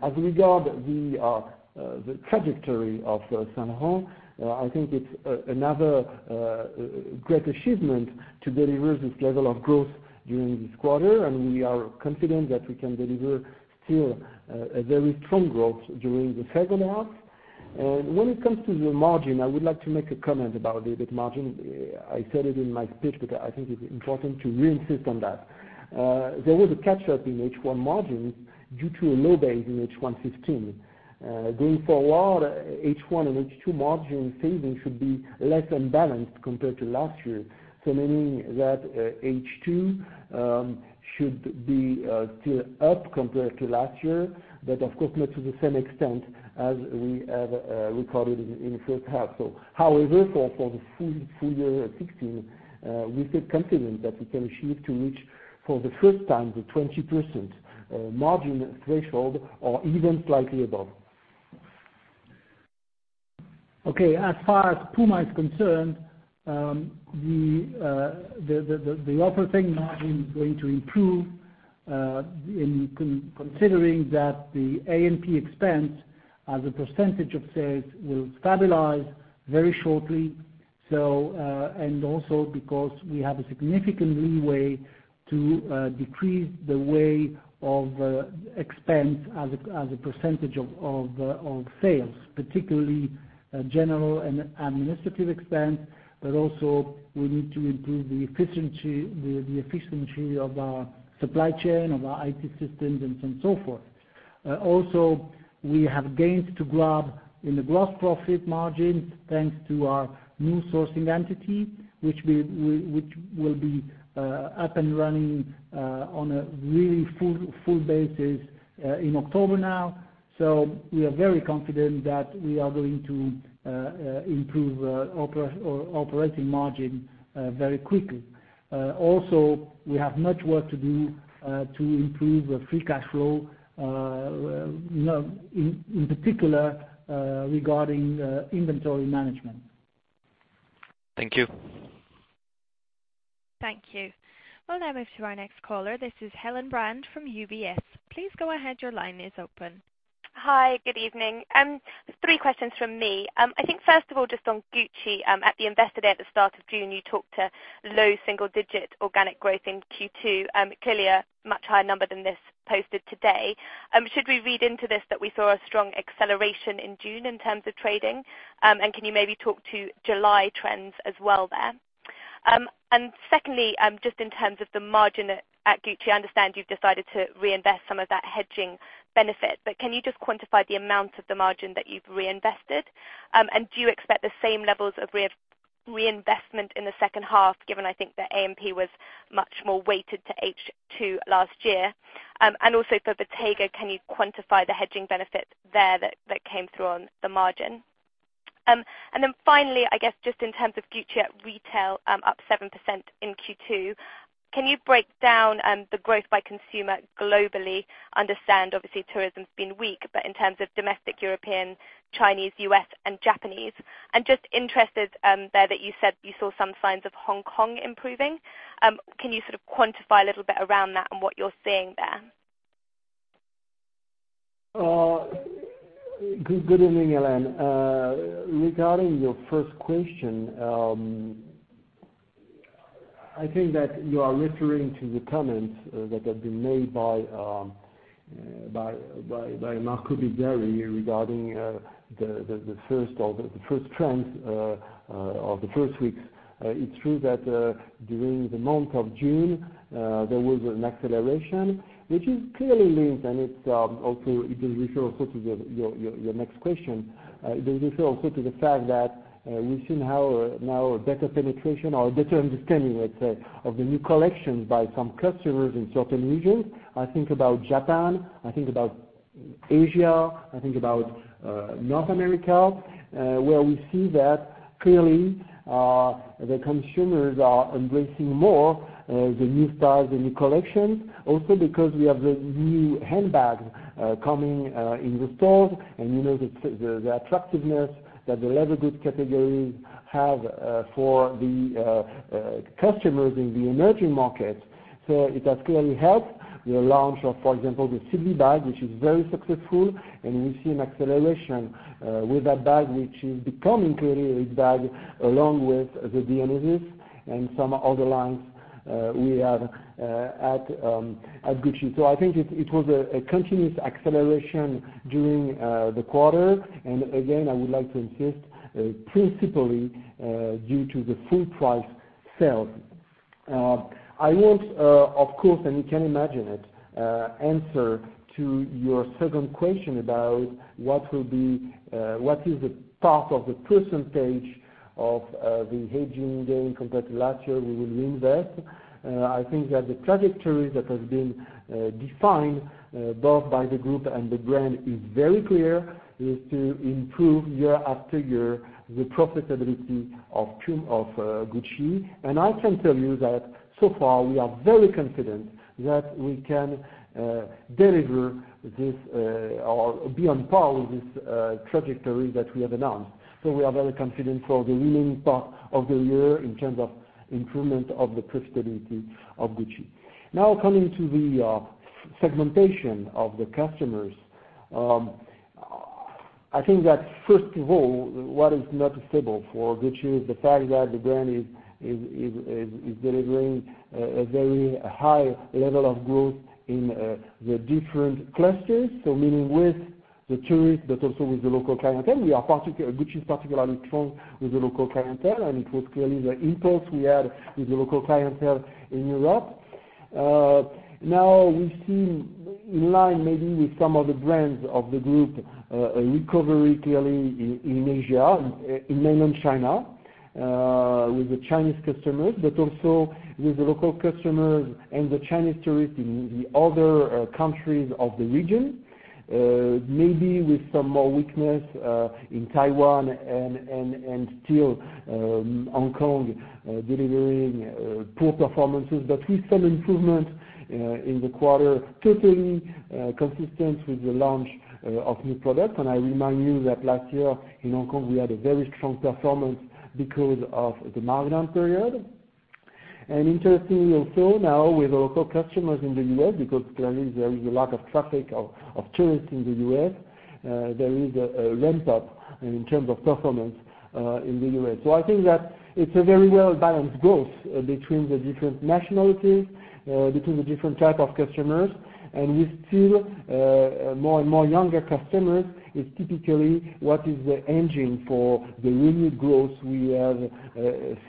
As regards the trajectory of Saint Laurent, I think it's another great achievement to deliver this level of growth during this quarter, and we are confident that we can deliver still a very strong growth during the second half. When it comes to the margin, I would like to make a comment about the EBIT margin. I said it in my speech, but I think it's important to reinsist on that. There was a catch-up in H1 margins due to a low base in H1 2015. Going forward, H1 and H2 margin savings should be less imbalanced compared to last year. Meaning that H2 should be still up compared to last year, but of course not to the same extent as we have recorded in the first half. However, for the full year of 2016, we feel confident that we can achieve to reach for the first time the 20% margin threshold or even slightly above. As far as Puma is concerned, the operating margin is going to improve considering that the A&P expense as a percentage of sales will stabilize very shortly, and also because we have a significant leeway to decrease the weight of expense as a percentage of sales, particularly general and administrative expense. Also, we need to improve the efficiency of our supply chain, of our IT systems and so forth. Also, we have gains to grab in the gross profit margin, thanks to our new sourcing entity, which will be up and running on a really full basis in October now. We are very confident that we are going to improve operating margin very quickly. Also, we have much work to do to improve free cash flow, in particular regarding inventory management. Thank you. Thank you. We'll now move to our next caller. This is Helen Brand from UBS. Please go ahead. Your line is open. Hi, good evening. Three questions from me. I think, first of all, just on Gucci. At the Investor Day at the start of June, you talked to low single-digit organic growth in Q2. Clearly a much higher number than this posted today. Should we read into this that we saw a strong acceleration in June in terms of trading? Can you maybe talk to July trends as well there? Secondly, just in terms of the margin at Gucci, I understand you've decided to reinvest some of that hedging benefit, but can you just quantify the amount of the margin that you've reinvested? Do you expect the same levels of reinvestment in the second half, given I think that A&P was much more weighted to H2 last year? Also for Bottega, can you quantify the hedging benefit there that came through on the margin? Finally, I guess just in terms of Gucci at retail, up 7% in Q2, can you break down the growth by consumer globally? Understand, obviously tourism's been weak, but in terms of domestic European, Chinese, U.S., and Japanese. I'm just interested there that you said you saw some signs of Hong Kong improving. Can you sort of quantify a little bit around that and what you're seeing there? Good evening, Helen. Regarding your first question, I think that you are referring to the comments that have been made by Marco Bizzarri regarding the first trends of the first weeks. It's true that during the month of June, there was an acceleration, which is clearly linked, and it also will refer also to your next question. It will refer also to the fact that we've seen our now better penetration or better understanding, let's say, of the new collections by some customers in certain regions. I think about Japan, I think about Asia, I think about North America, where we see that clearly the consumers are embracing more the new styles and new collections. Because we have the new handbag coming in the stores and you know the attractiveness that the leather goods category have for the customers in the emerging markets. It has clearly helped the launch of, for example, the Sylvie bag, which is very successful. We see an acceleration with that bag, which is becoming clearly a bag along with the Dionysus and some other lines we have at Gucci. I think it was a continuous acceleration during the quarter. Again, I would like to insist, principally due to the full price sales. I won't, of course, and you can imagine it, answer to your second question about what is the part of the percentage of the hedging gain compared to last year we will reinvest. I think that the trajectory that has been defined both by the group and the brand is very clear, is to improve year after year the profitability of Gucci. I can tell you that so far we are very confident that we can deliver this or be on par with this trajectory that we have announced. We are very confident for the remaining part of the year in terms of improvement of the profitability of Gucci. Now, coming to the segmentation of the customers. I think that first of all, what is noticeable for Gucci is the fact that the brand is delivering a very high level of growth in the different clusters, meaning with the tourists, but also with the local clientele. Gucci is particularly strong with the local clientele, and it was clearly the impulse we had with the local clientele in Europe. Now we see in line maybe with some of the brands of the group, a recovery clearly in Asia, in Mainland China, with the Chinese customers, but also with the local customers and the Chinese tourists in the other countries of the region. Maybe with some more weakness in Taiwan and still Hong Kong delivering poor performances, but with some improvement in the quarter, totally consistent with the launch of new products. I remind you that last year in Hong Kong, we had a very strong performance because of the midterm period. Interesting also now with local customers in the U.S., because clearly there is a lack of traffic of tourists in the U.S., there is a ramp-up in terms of performance in the U.S. I think that it's a very well-balanced growth between the different nationalities, between the different type of customers, and with still more and more younger customers, is typically what is the engine for the renewed growth we have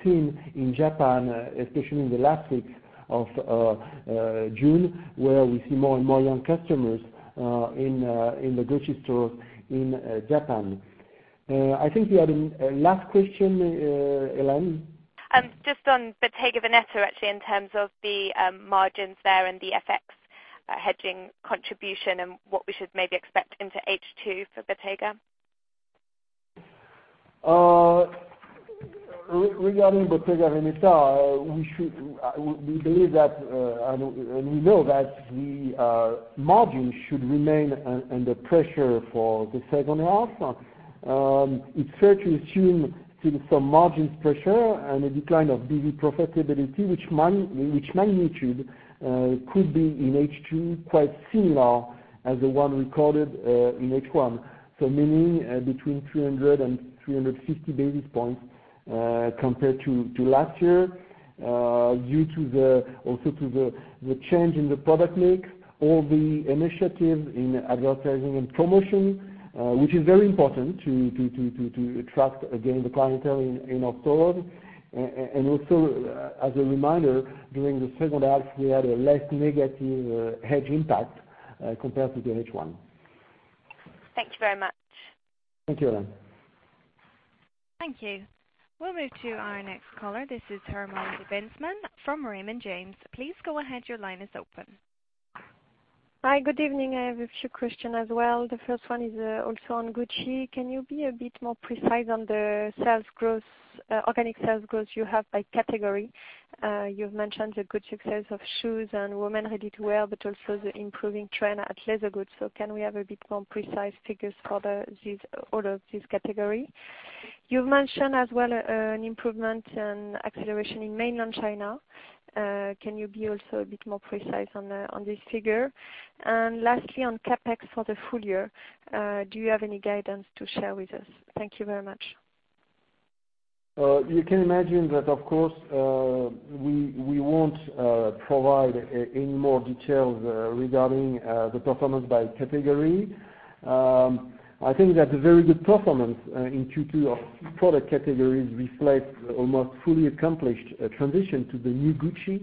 seen in Japan, especially in the last weeks of June, where we see more and more young customers in the Gucci stores in Japan. I think we have a last question, Helen. Just on Bottega Veneta, actually, in terms of the margins there and the FX hedging contribution and what we should maybe expect into H2 for Bottega. Regarding Bottega Veneta, we believe that, we know that the margins should remain under pressure for the second half. It's fair to assume still some margins pressure and a decline of BV profitability, which magnitude could be in H2 quite similar as the one recorded in H1, so meaning between 300 and 350 basis points compared to last year due to the change in the product mix, all the initiatives in Advertising and Promotion, which is very important to attract again the clientele in October. Also as a reminder, during the second half, we had a less negative hedge impact compared to the H1. Thank you very much. Thank you, Helen. Thank you. We'll move to our next caller. This is Hermine de Bentzmann from Raymond James. Please go ahead. Your line is open. Hi, good evening. I have a few question as well. The first one is also on Gucci. Can you be a bit more precise on the organic sales growth you have by category? You've mentioned the good success of shoes and women ready-to-wear, but also the improving trend at leather goods. Can we have a bit more precise figures for all of this category? You've mentioned as well an improvement and acceleration in Mainland China. Can you be also a bit more precise on this figure? Lastly, on CapEx for the full year, do you have any guidance to share with us? Thank you very much. You can imagine that, of course, we won't provide any more details regarding the performance by category. I think that the very good performance in Q2 of product categories reflect almost fully accomplished transition to the new Gucci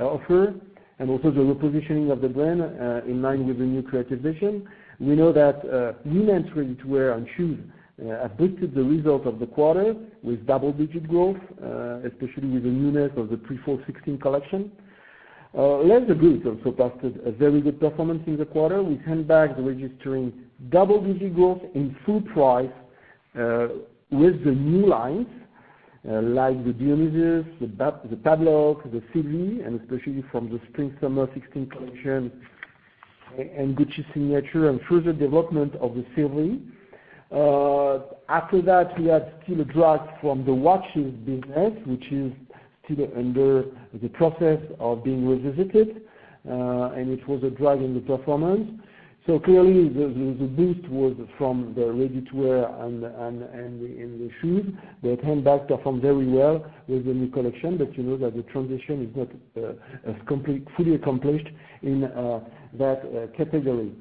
offer and also the repositioning of the brand in line with the new creative vision. We know that women ready-to-wear and shoes have boosted the results of the quarter with double-digit growth, especially with the newness of the pre-fall 2016 collection. Leather goods also posted a very good performance in the quarter, with handbags registering double-digit growth in full price with the new lines, like the Dionysus, the Padlock, the Sylvie, and especially from the spring-summer 2016 collection and Gucci Signature and further development of the Sylvie. After that, we had still a drag from the watches business, which is still under the process of being revisited, and it was a drag in the performance. Clearly, the boost was from the ready-to-wear and the shoes. The handbag performed very well with the new collection, but you know that the transition is not fully accomplished in that category.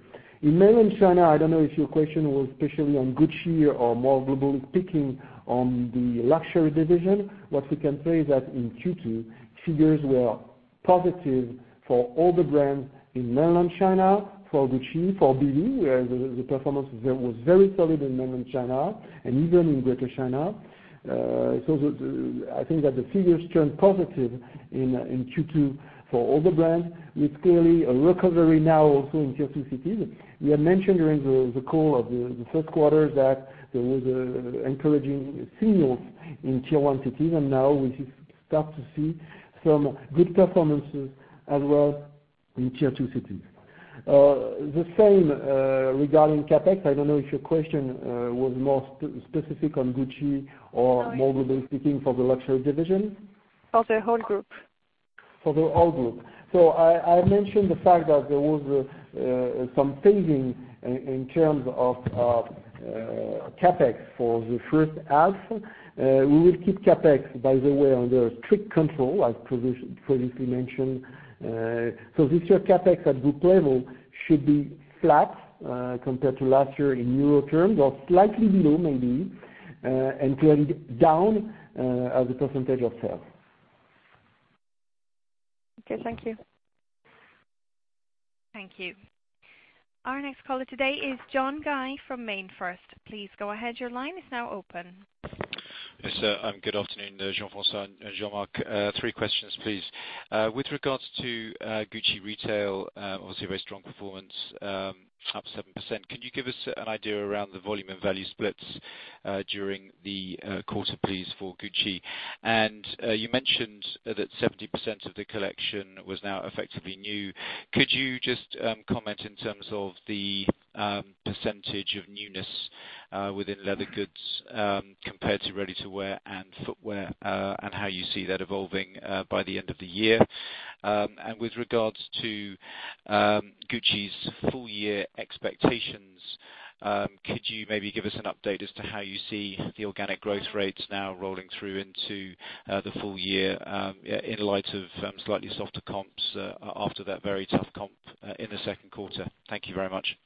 In Mainland China, I don't know if your question was especially on Gucci or more globally speaking on the luxury division. What we can say is that in Q2, figures were positive for all the brands in Mainland China, for Gucci, for BV, where the performance was very solid in Mainland China and even in Greater China. I think that the figures turned positive in Q2 for all the brands, with clearly a recovery now also in tier 2 cities. We have mentioned during the call of the first quarter that there was encouraging signals in tier 1 cities, and now we start to see some good performances as well in tier 2 cities. The same regarding CapEx. I don't know if your question was more specific on Gucci or more globally speaking for the luxury division. For the whole group. For the whole group. I mentioned the fact that there was some saving in terms of CapEx for the first half. We will keep CapEx, by the way, under strict control, as previously mentioned. This year, CapEx at group level should be flat compared to last year in EUR terms, or slightly below maybe. Clearly down as a % of sales. Okay. Thank you. Thank you. Our next caller today is John Guy from MainFirst. Please go ahead. Your line is now open. Yes, good afternoon, Jean-François and Jean-Marc. Three questions, please. With regards to Gucci retail, obviously very strong performance, up 7%. Can you give us an idea around the volume and value splits during the quarter, please, for Gucci? You mentioned that 70% of the collection was now effectively new. Could you just comment in terms of the percentage of newness within leather goods compared to ready-to-wear and footwear, and how you see that evolving by the end of the year? With regards to Gucci's full-year expectations, could you maybe give us an update as to how you see the organic growth rates now rolling through into the full year in light of slightly softer comps after that very tough comp in the second quarter? Thank you very much.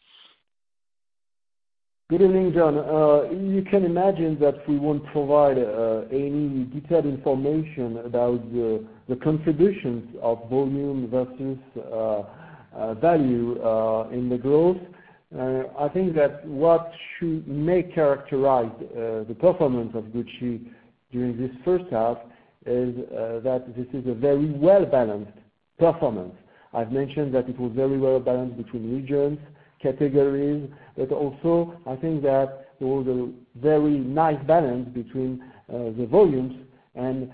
Good evening, John. You can imagine that we won't provide any detailed information about the contributions of volume versus value in the growth. I think that what should characterize the performance of Gucci during this first half is that this is a very well-balanced performance. I've mentioned that it was very well-balanced between regions, categories, but also I think that there was a very nice balance between the volumes and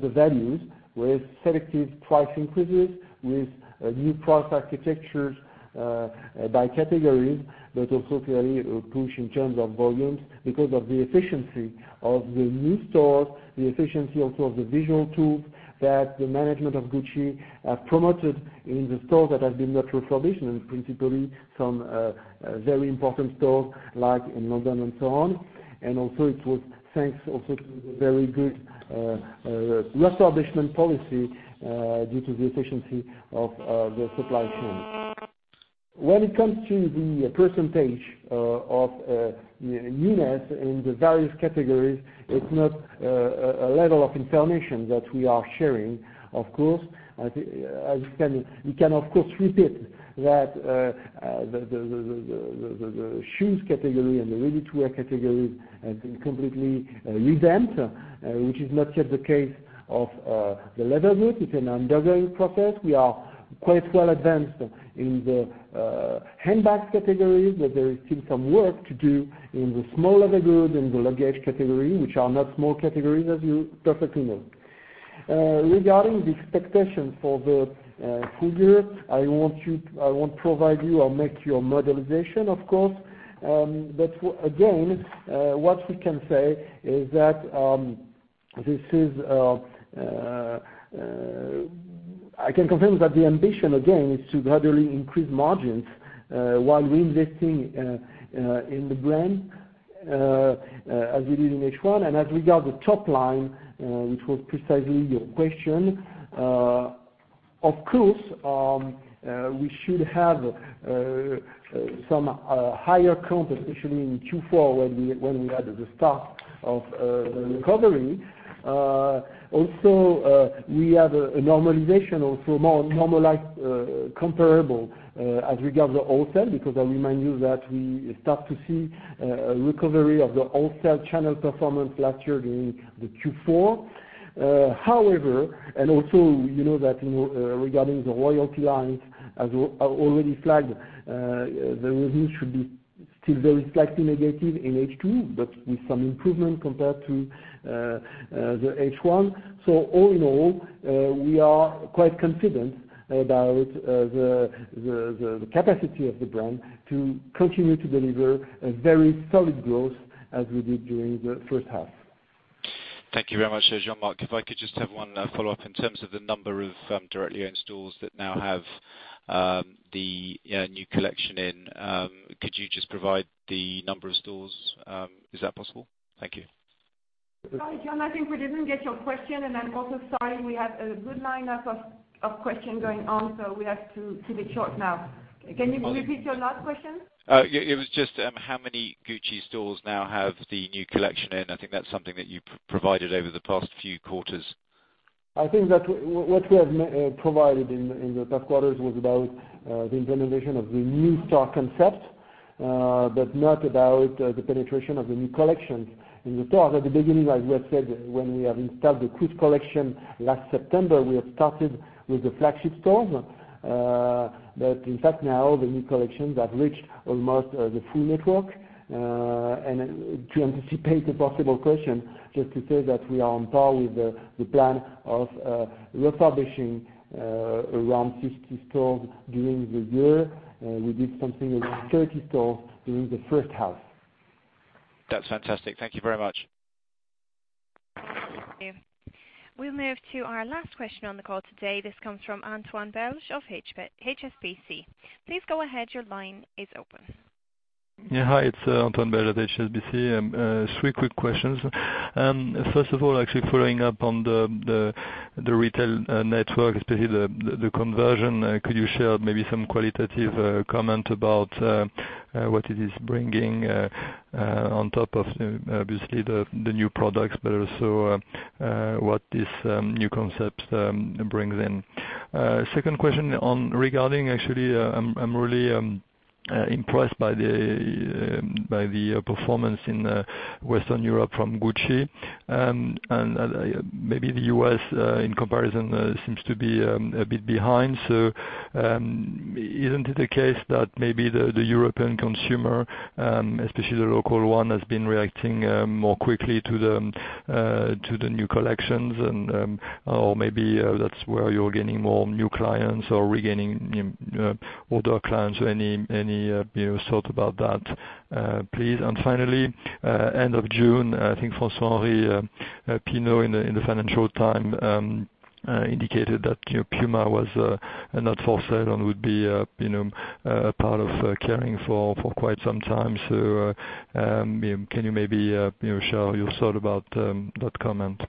the values with selective price increases, with new price architectures by categories, but also clearly a push in terms of volumes because of the efficiency of the new stores, the efficiency also of the visual tools that the management of Gucci have promoted in the stores that have been not refurbished, and principally some very important stores like in London and so on. Also it was thanks to the very good refurbishment policy due to the efficiency of the supply chain. When it comes to the percentage of newness in the various categories, it's not a level of information that we are sharing, of course. We can, of course, repeat that the shoes category and the ready-to-wear categories have been completely revamped, which is not yet the case of the leather goods. It's an ongoing process. We are quite well advanced in the handbag categories, but there is still some work to do in the small leather goods, in the luggage category, which are not small categories, as you perfectly know. Regarding the expectations for the full year, I won't provide you or make your modelization, of course. Again, what we can say is that, I can confirm that the ambition again, is to gradually increase margins while reinvesting in the brand as we did in H1. As regard the top line, which was precisely your question, of course, we should have some higher comp, especially in Q4 when we had the start of the recovery. Also, we have a normalization, also more normalized comparable as regard the wholesale, because I remind you that we start to see a recovery of the wholesale channel performance last year during the Q4. However, and also you know that regarding the royalty lines, as I already flagged, the reviews should be still very slightly negative in H2, but with some improvement compared to the H1. All in all, we are quite confident about the capacity of the brand to continue to deliver a very solid growth as we did during the first half. Thank you very much, Jean-Marc. If I could just have one follow-up in terms of the number of directly owned stores that now have the new collection in. Could you just provide the number of stores? Is that possible? Thank you. Sorry, John. I think we didn't get your question, and I'm also sorry, we have a good line-up of questions going on, so we have to be short now. Can you repeat your last question? It was just how many Gucci stores now have the new collection in. I think that's something that you provided over the past few quarters. I think that what we have provided in the past quarters was about the implementation of the new store concept, but not about the penetration of the new collections in the stores. At the beginning, as we have said, when we have installed the Cruise collection last September, we have started with the flagship stores. In fact, now the new collections have reached almost the full network. To anticipate a possible question, just to say that we are on par with the plan of refurbishing around 50 stores during the year. We did something like 30 stores during the first half. That's fantastic. Thank you very much. Thank you. We'll move to our last question on the call today. This comes from Antoine Belge of HSBC. Please go ahead. Your line is open. Hi, it's Antoine Belge at HSBC. Three quick questions. First of all, actually following up on the retail network, especially the conversion, could you share maybe some qualitative comment about what it is bringing on top of, obviously, the new products, but also what this new concept brings in. Second question regarding, actually, I'm really impressed by the performance in Western Europe from Gucci. Maybe the U.S., in comparison, seems to be a bit behind. Isn't it the case that maybe the European consumer, especially the local one, has been reacting more quickly to the new collections? Or maybe that's where you're gaining more new clients or regaining older clients. Any thought about that, please? Finally, end of June, I think François-Henri Pinault in the Financial Times indicated that Puma was not for sale and would be a part of Kering for quite some time. Can you maybe share your thought about that comment?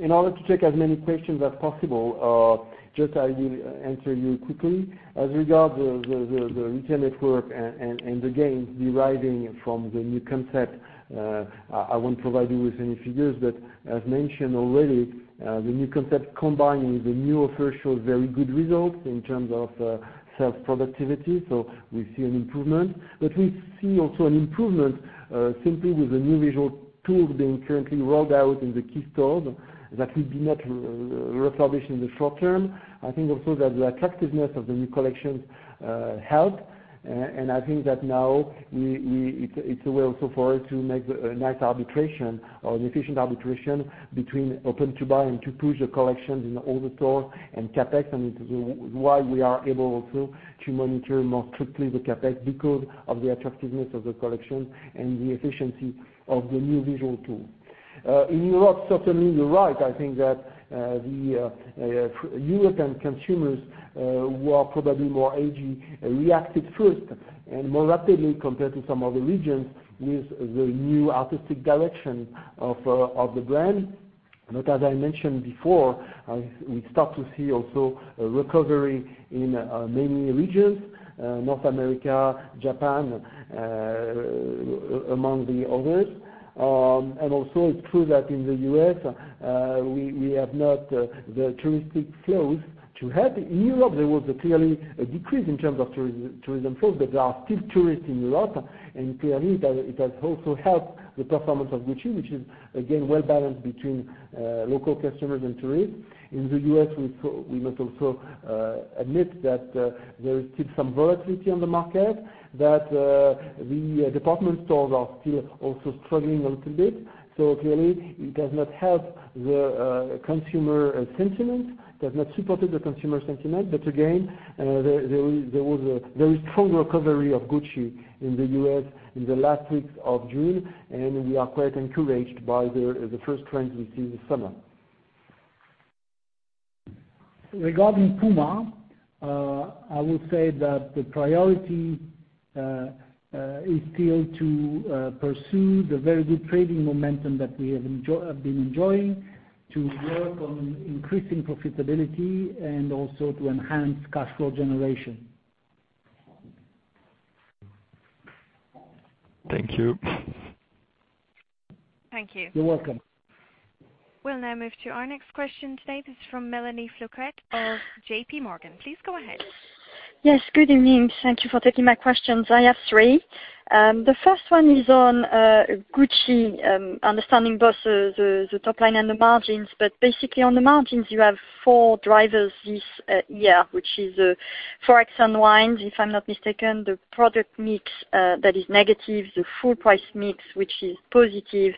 In order to take as many questions as possible, I will answer you quickly. As regards the retail network and the gains deriving from the new concept, I won't provide you with any figures, but as mentioned already, the new concept combined with the new offer showed very good results in terms of self-productivity. We see an improvement, but we see also an improvement simply with the new visual tools being currently rolled out in the key stores that will be not refurbished in the short term. I think also that the attractiveness of the new collections helped, and I think that now it's a way also for us to make a nice arbitration or an efficient arbitration between open to buy and to push the collections in all the stores and CapEx. It is why we are able also to monitor more strictly the CapEx because of the attractiveness of the collection and the efficiency of the new visual tool. In Europe, certainly you're right. I think that the European consumers were probably more edgy, reacted first and more rapidly compared to some other regions with the new artistic direction of the brand. As I mentioned before, we start to see also a recovery in many regions, North America, Japan, among the others. Also, it's true that in the U.S., we have not the touristic flows to help. In Europe, there was clearly a decrease in terms of tourism flows, but there are still tourists in Europe, and clearly it has also helped the performance of Gucci, which is again well-balanced between local customers and tourists. In the U.S., we must also admit that there is still some volatility on the market that the department stores are still also struggling a little bit. Clearly it does not help the consumer sentiment, does not support the consumer sentiment. Again, there is strong recovery of Gucci in the U.S. in the last week of June, and we are quite encouraged by the first trends we see this summer. Regarding Puma, I will say that the priority is still to pursue the very good trading momentum that we have been enjoying to work on increasing profitability and also to enhance cash flow generation. Thank you. Thank you. You're welcome. We'll now move to our next question today. This is from Melanie Flouquet of JP Morgan. Please go ahead. Yes, good evening. Thank you for taking my questions. I have three. The first one is on Gucci, understanding both the top line and the margins. Basically on the margins, you have four drivers this year, which is Forex unwind, if I'm not mistaken, the product mix that is negative, the full price mix, which is positive,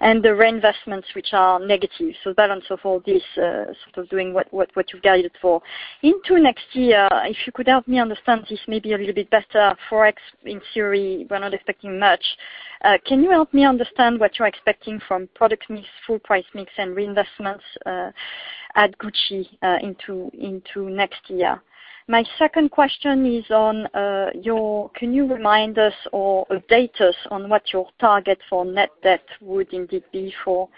and the reinvestments, which are negative. Balance of all this, sort of doing what you guided for. Into next year, if you could help me understand this maybe a little bit better, Forex, in theory, we're not expecting much. Can you help me understand what you're expecting from product mix, full price mix, and reinvestments at Gucci into next year? My second question is, can you remind us or update us on what your target for net debt would indeed be for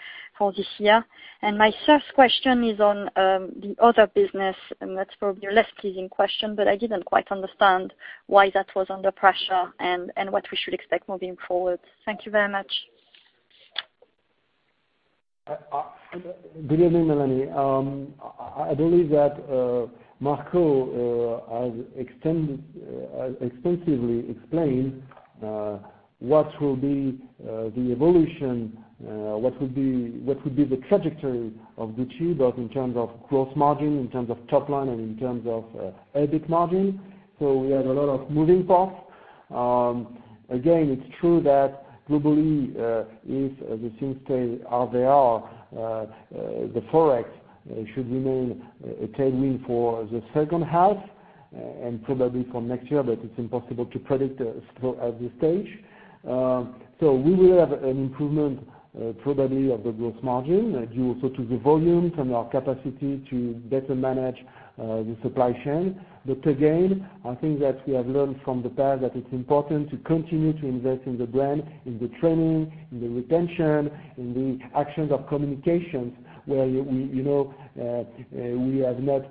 this year? My third question is on the other business, and that's probably a less pleasing question, but I didn't quite understand why that was under pressure and what we should expect moving forward. Thank you very much. Good evening, Melanie. I believe that Marco has extensively explained what will be the evolution, what will be the trajectory of Gucci, both in terms of gross margin, in terms of top line, and in terms of EBIT margin. We had a lot of moving parts. Again, it's true that globally, if the things stay as they are, the Forex should remain tailwind for the second half and probably for next year, but it's impossible to predict still at this stage. We will have an improvement probably of the gross margin due also to the volume from our capacity to better manage the supply chain. Again, I think that we have learned from the past that it's important to continue to invest in the brand, in the training, in the retention, in the actions of communications, where we have not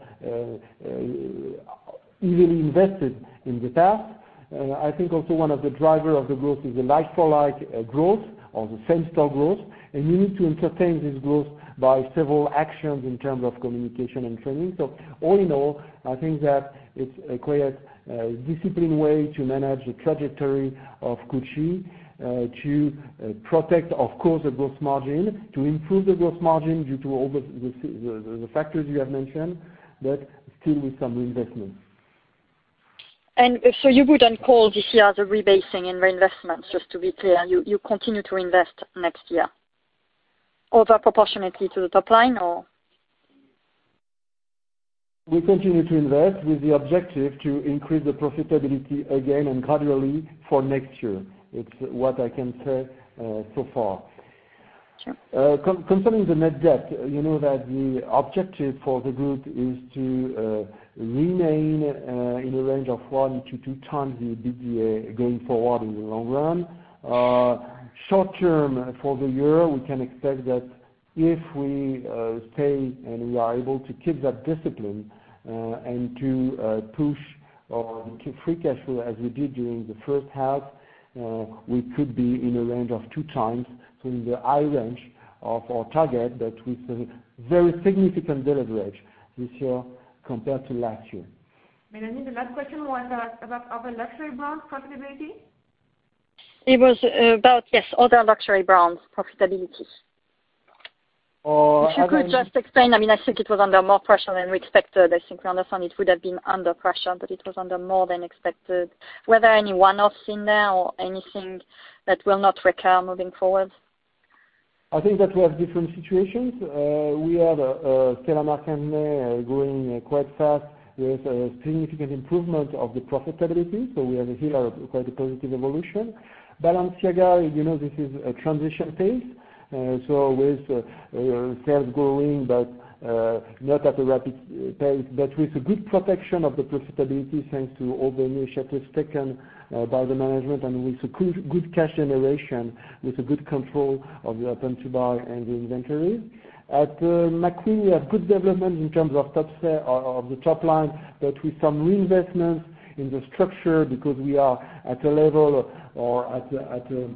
easily invested in the past. I think also one of the driver of the growth is the like-for-like growth or the same-store growth, you need to entertain this growth by several actions in terms of communication and training. All in all, I think that it's a quite disciplined way to manage the trajectory of Gucci to protect, of course, the gross margin, to improve the gross margin due to all the factors you have mentioned, still with some reinvestments. You wouldn't call this year the rebasing and reinvestments, just to be clear, you continue to invest next year, over proportionately to the top line or? We continue to invest with the objective to increase the profitability again and gradually for next year. It's what I can say so far. Sure. Concerning the net debt, you know that the objective for the group is to remain in a range of 1 to 2 times the EBITDA going forward in the long run. Short-term, for the year, we can expect that if we stay and we are able to keep that discipline, and to push our free cash flow as we did during the first half, we could be in a range of 2 times, so in the high range of our target, but with a very significant deleverage this year compared to last year. Melanie, the last question was about other luxury brands profitability? It was about, yes, other luxury brands profitability. I mean If you could just explain, I think it was under more pressure than we expected. I think we understand it would have been under pressure, but it was under more than expected. Were there any one-offs in there or anything that will not recur moving forward? I think that we have different situations. We have Stella McCartney growing quite fast with a significant improvement of the profitability. We are here at quite a positive evolution. Balenciaga, this is a transition phase. With sales growing but not at a rapid pace, but with a good protection of the profitability thanks to all the initiatives taken by the management and with good cash generation, with a good control of the open to buy and the inventory. At McQueen, we have good development in terms of the top line, but with some reinvestments in the structure because we are at a level or at a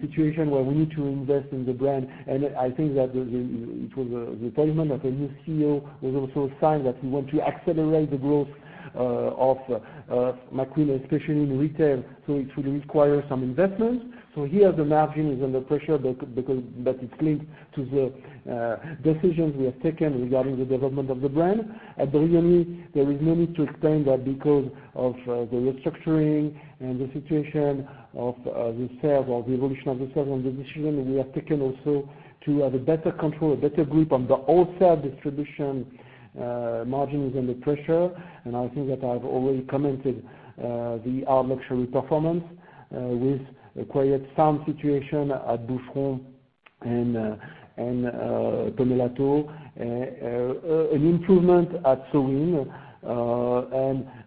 situation where we need to invest in the brand. I think that the appointment of a new CEO was also a sign that we want to accelerate the growth of McQueen, especially in retail. It will require some investment. Here the margin is under pressure, but it's linked to the decisions we have taken regarding the development of the brand. At Brioni, there is no need to explain that because of the restructuring and the situation of the sales or the evolution of the sales and the decision we have taken also to have a better control, a better grip on the wholesale distribution margin is under pressure. I think that I've already commented the other luxury performance with a quite sound situation at Boucheron and Pomellato. An improvement at Sowind.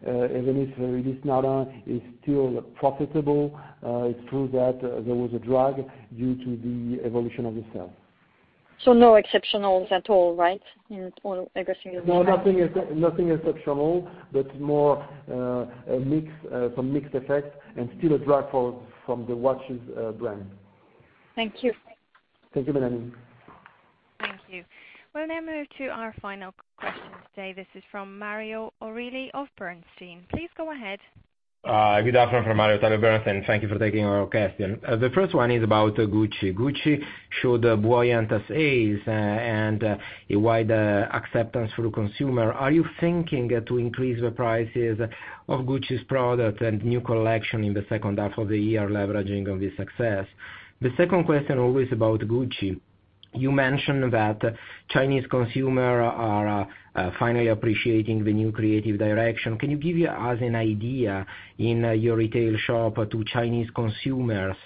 Even if Yves Saint Laurent is still profitable, it's true that there was a drag due to the evolution of the sales. No exceptionals at all, right? In all, everything that we have. No, nothing exceptional, but more some mixed effects and still a drag from the watches brand. Thank you. Thank you, Melanie. Thank you. We'll now move to our final question today. This is from Mario Ortelli of Bernstein. Please go ahead. Good afternoon from Mario Ortelli of Bernstein. Thank you for taking our question. The first one is about Gucci. Gucci showed buoyant sales and a wide acceptance through consumer. Are you thinking to increase the prices of Gucci's product and new collection in the second half of the year, leveraging on this success? The second question, always about Gucci. You mentioned that Chinese consumer are finally appreciating the new creative direction. Can you give us an idea in your retail shop to Chinese consumers,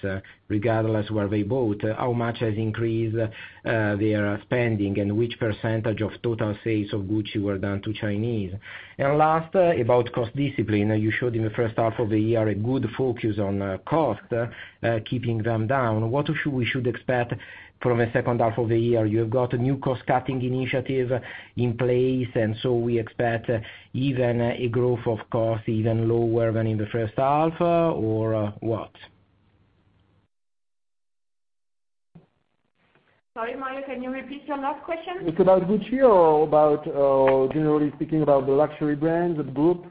regardless where they bought, how much has increased their spending and which percentage of total sales of Gucci were done to Chinese? Last, about cost discipline. You showed in the first half of the year a good focus on cost, keeping them down. What we should expect from the second half of the year? You have got a new cost-cutting initiative in place, so we expect even a growth of cost even lower than in the first half, or what? Sorry, Mario, can you repeat your last question? It's about Gucci or about generally speaking about the luxury brand, the group?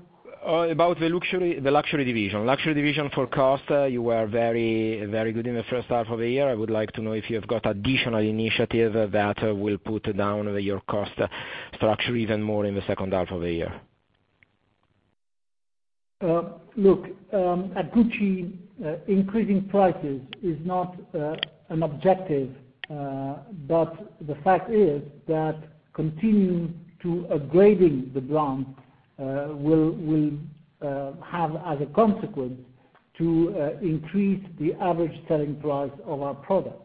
About the luxury division. Luxury division for cost, you were very good in the first half of the year. I would like to know if you have got additional initiative that will put down your cost structure even more in the second half of the year. Look, at Gucci increasing prices is not an objective, but the fact is that continuing to upgrading the brand Will have as a consequence to increase the average selling price of our product.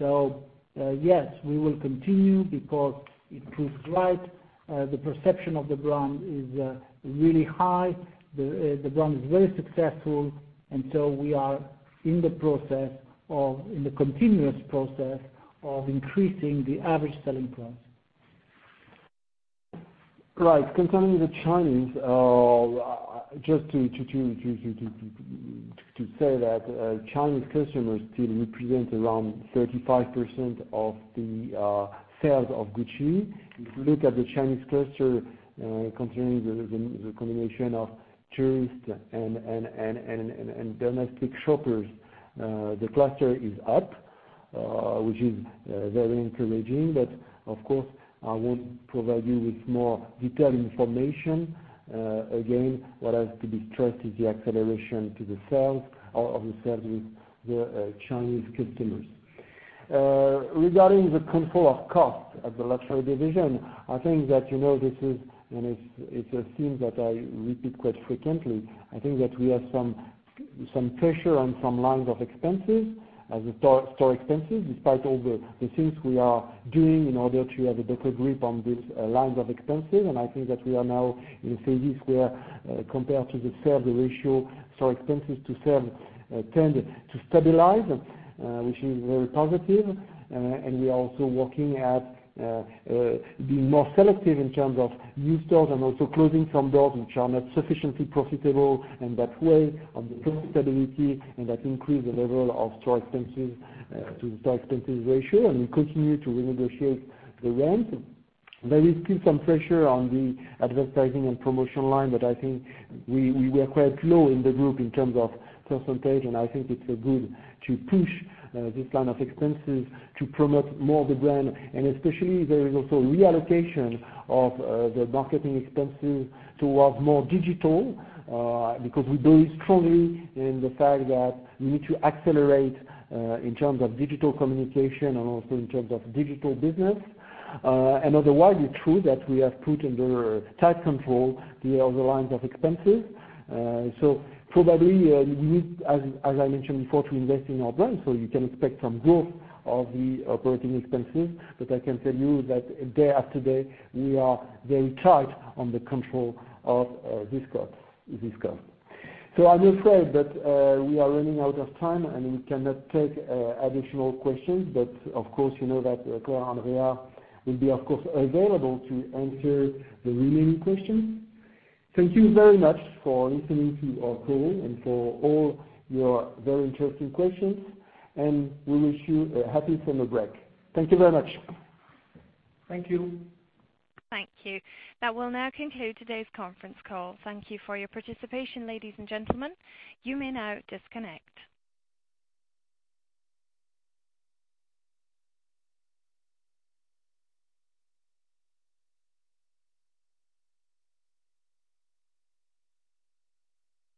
Yes, we will continue because it proves right, the perception of the brand is really high. The brand is very successful, and so we are in the continuous process of increasing the average selling price. Right. Concerning the Chinese, just to say that Chinese customers still represent around 35% of the sales of Gucci. If you look at the Chinese cluster, considering the combination of tourists and domestic shoppers, the cluster is up, which is very encouraging, but of course, I won't provide you with more detailed information. Again, what has to be trusted, the acceleration to the sales are of the sales with the Chinese customers. Regarding the control of cost of the luxury division, I think that this is, and it's a theme that I repeat quite frequently, I think that we have some pressure on some lines of expenses, as store expenses, despite all the things we are doing in order to have a better grip on these lines of expenses. I think that we are now in a phase where, compared to the sales, the ratio, store expenses to sales tend to stabilize, which is very positive. We are also working at being more selective in terms of new stores and also closing some doors which are not sufficiently profitable in that way, and the profitability, and that increase the level of store expenses to the store expenses ratio. We continue to renegotiate the rent. There is still some pressure on the Advertising and Promotion line, I think we were quite low in the group in terms of percentage, I think it's good to push this line of expenses to promote more the brand. Especially, there is also reallocation of the marketing expenses towards more digital, because we believe strongly in the fact that we need to accelerate, in terms of digital communication and also in terms of digital business. Otherwise, it's true that we have put under tight control the other lines of expenses. Probably, we need, as I mentioned before, to invest in our brand, you can expect some growth of the operating expenses. I can tell you that day after day, we are very tight on the control of these costs. I'm afraid that we are running out of time, and we cannot take additional questions. Of course, you know that Clara and Andrea will be, of course, available to answer the remaining questions. Thank you very much for listening to our call and for all your very interesting questions, we wish you a happy summer break. Thank you very much. Thank you. Thank you. That will now conclude today's conference call. Thank you for your participation, ladies and gentlemen. You may now disconnect.